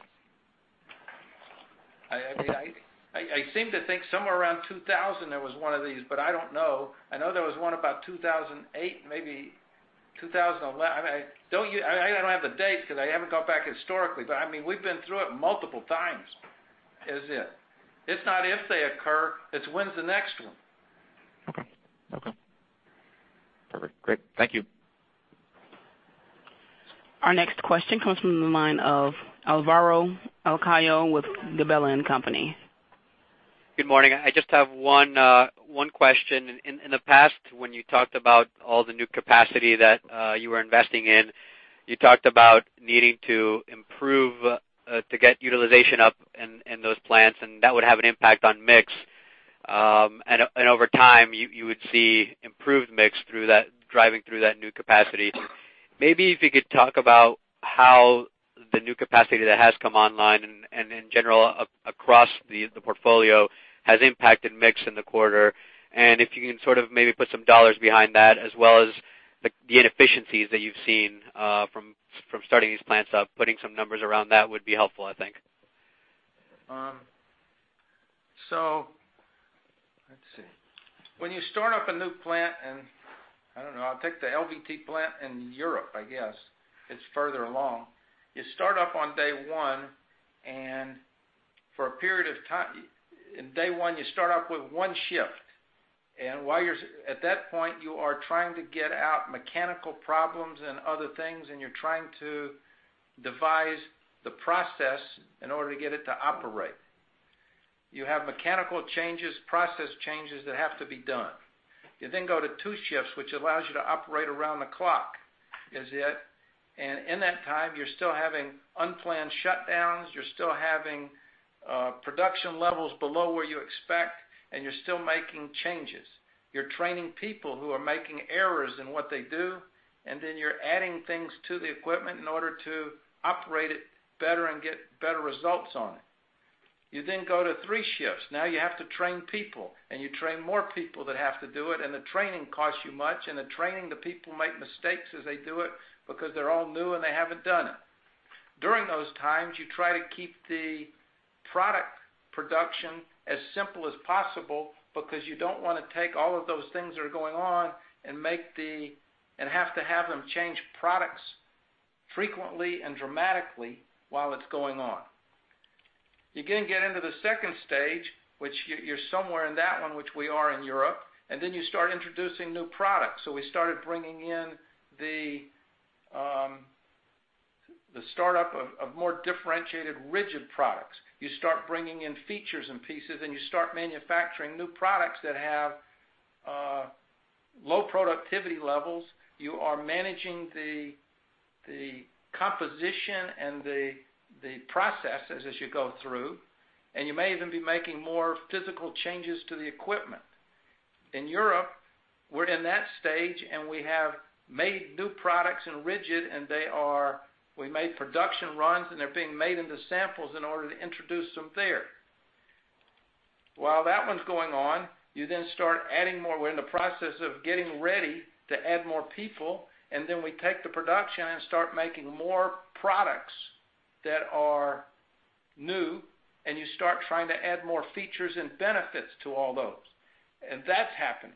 I seem to think somewhere around 2000 there was one of these, but I don't know. I know there was one about 2008, maybe 2011. I don't have the date because I haven't gone back historically, but we've been through it multiple times. It's not if they occur, it's when's the next one? Okay. Perfect. Great. Thank you. Our next question comes from the line of Alvaro Lacayo with Gabelli & Company. Good morning. I just have one question. In the past, when you talked about all the new capacity that you were investing in, you talked about needing to improve to get utilization up in those plants, and that would have an impact on mix. Over time, you would see improved mix driving through that new capacity. Maybe if you could talk about how the new capacity that has come online and in general across the portfolio has impacted mix in the quarter, and if you can sort of maybe put some dollars behind that as well as the inefficiencies that you've seen from starting these plants up, putting some numbers around that would be helpful, I think. Let's see. When you start up a new plant in, I don't know, I'll take the LVT plant in Europe, I guess. It's further along. You start up on day one, and day one, you start up with one shift. At that point, you are trying to get out mechanical problems and other things, and you're trying to devise the process in order to get it to operate. You have mechanical changes, process changes that have to be done. You go to two shifts, which allows you to operate around the clock. In that time, you're still having unplanned shutdowns, you're still having production levels below where you expect, and you're still making changes. You're training people who are making errors in what they do, and then you're adding things to the equipment in order to operate it better and get better results on it. You go to three shifts. Now you have to train people, and you train more people that have to do it, and the training costs you much, and the training, the people make mistakes as they do it because they're all new and they haven't done it. During those times, you try to keep the product production as simple as possible because you don't want to take all of those things that are going on and have to have them change products frequently and dramatically while it's going on. You get into the second stage, which you're somewhere in that one, which we are in Europe, and then you start introducing new products. We started bringing in the startup of more differentiated rigid products. You start bringing in features and pieces, and you start manufacturing new products that have low productivity levels. You are managing the composition and the processes as you go through, and you may even be making more physical changes to the equipment. In Europe, we're in that stage, and we have made new products in rigid, and we made production runs, and they're being made into samples in order to introduce them there. While that one's going on, you start adding more. We're in the process of getting ready to add more people, and then we take the production and start making more products that are new, and you start trying to add more features and benefits to all those. That's happened.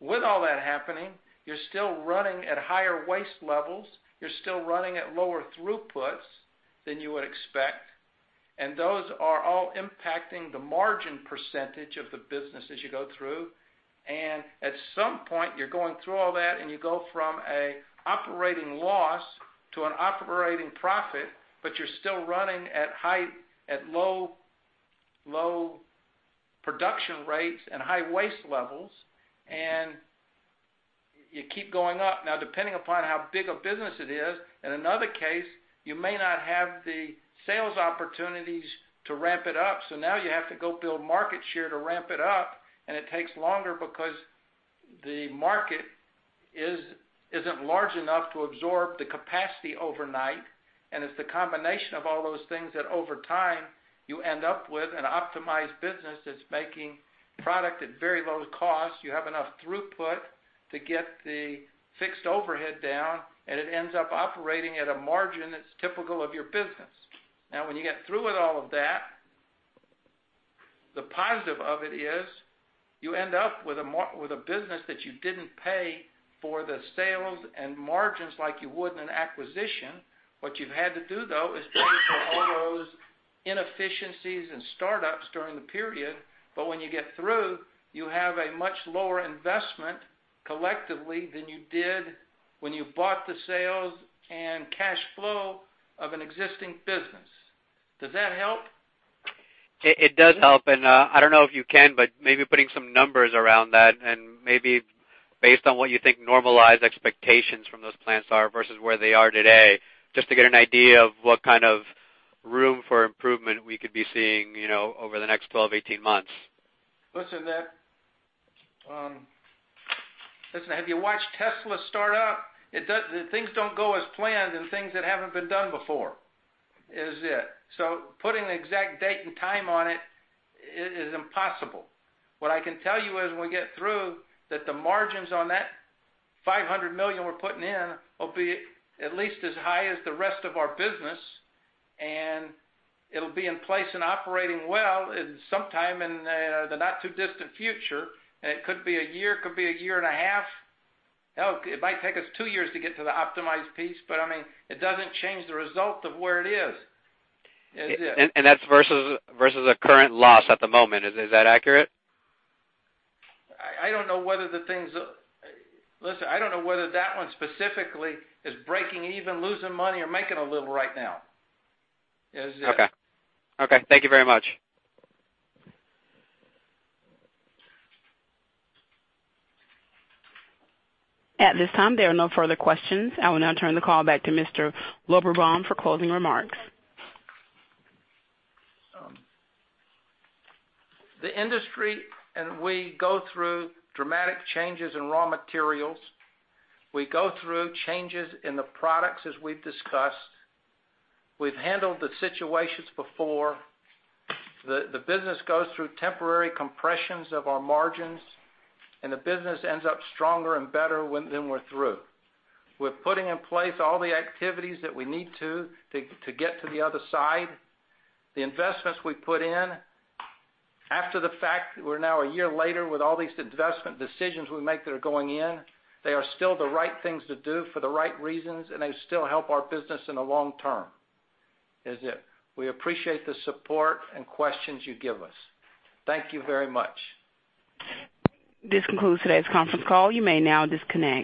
With all that happening, you're still running at higher waste levels, you're still running at lower throughputs than you would expect, and those are all impacting the margin percentage of the business as you go through. At some point, you're going through all that, and you go from an operating loss to an operating profit, but you're still running at low production rates and high waste levels, and you keep going up. Depending upon how big a business it is, in another case, you may not have the sales opportunities to ramp it up. Now you have to go build market share to ramp it up, and it takes longer because the market isn't large enough to absorb the capacity overnight. It's the combination of all those things that over time, you end up with an optimized business that's making product at very low cost. You have enough throughput to get the fixed overhead down, and it ends up operating at a margin that's typical of your business. When you get through with all of that, the positive of it is you end up with a business that you didn't pay for the sales and margins like you would in an acquisition. What you've had to do though, is pay for all those inefficiencies and startups during the period. When you get through, you have a much lower investment collectively than you did when you bought the sales and cash flow of an existing business. Does that help? It does help, and I don't know if you can, but maybe putting some numbers around that and maybe based on what you think normalized expectations from those plants are versus where they are today, just to get an idea of what kind of room for improvement we could be seeing over the next 12-18 months. Listen, have you watched Tesla start up? Things don't go as planned and things that haven't been done before. Is it? Putting an exact date and time on it is impossible. What I can tell you is when we get through, that the margins on that $500 million we're putting in will be at least as high as the rest of our business, and it'll be in place and operating well sometime in the not too distant future. It could be a year, could be a year and a half. Hell, it might take us two years to get to the optimized piece, but it doesn't change the result of where it is. Is it? That's versus a current loss at the moment. Is that accurate? Listen, I don't know whether that one specifically is breaking even, losing money or making a little right now. Is it? Okay. Thank you very much. At this time, there are no further questions. I will now turn the call back to Mr. Lorberbaum for closing remarks. The industry we go through dramatic changes in raw materials. We go through changes in the products as we've discussed. We've handled the situations before. The business goes through temporary compressions of our margins, and the business ends up stronger and better when we're through. We're putting in place all the activities that we need to get to the other side. The investments we put in after the fact, we're now a year later with all these investment decisions we make that are going in. They are still the right things to do for the right reasons, and they still help our business in the long term. Is it. We appreciate the support and questions you give us. Thank you very much. This concludes today's conference call. You may now disconnect.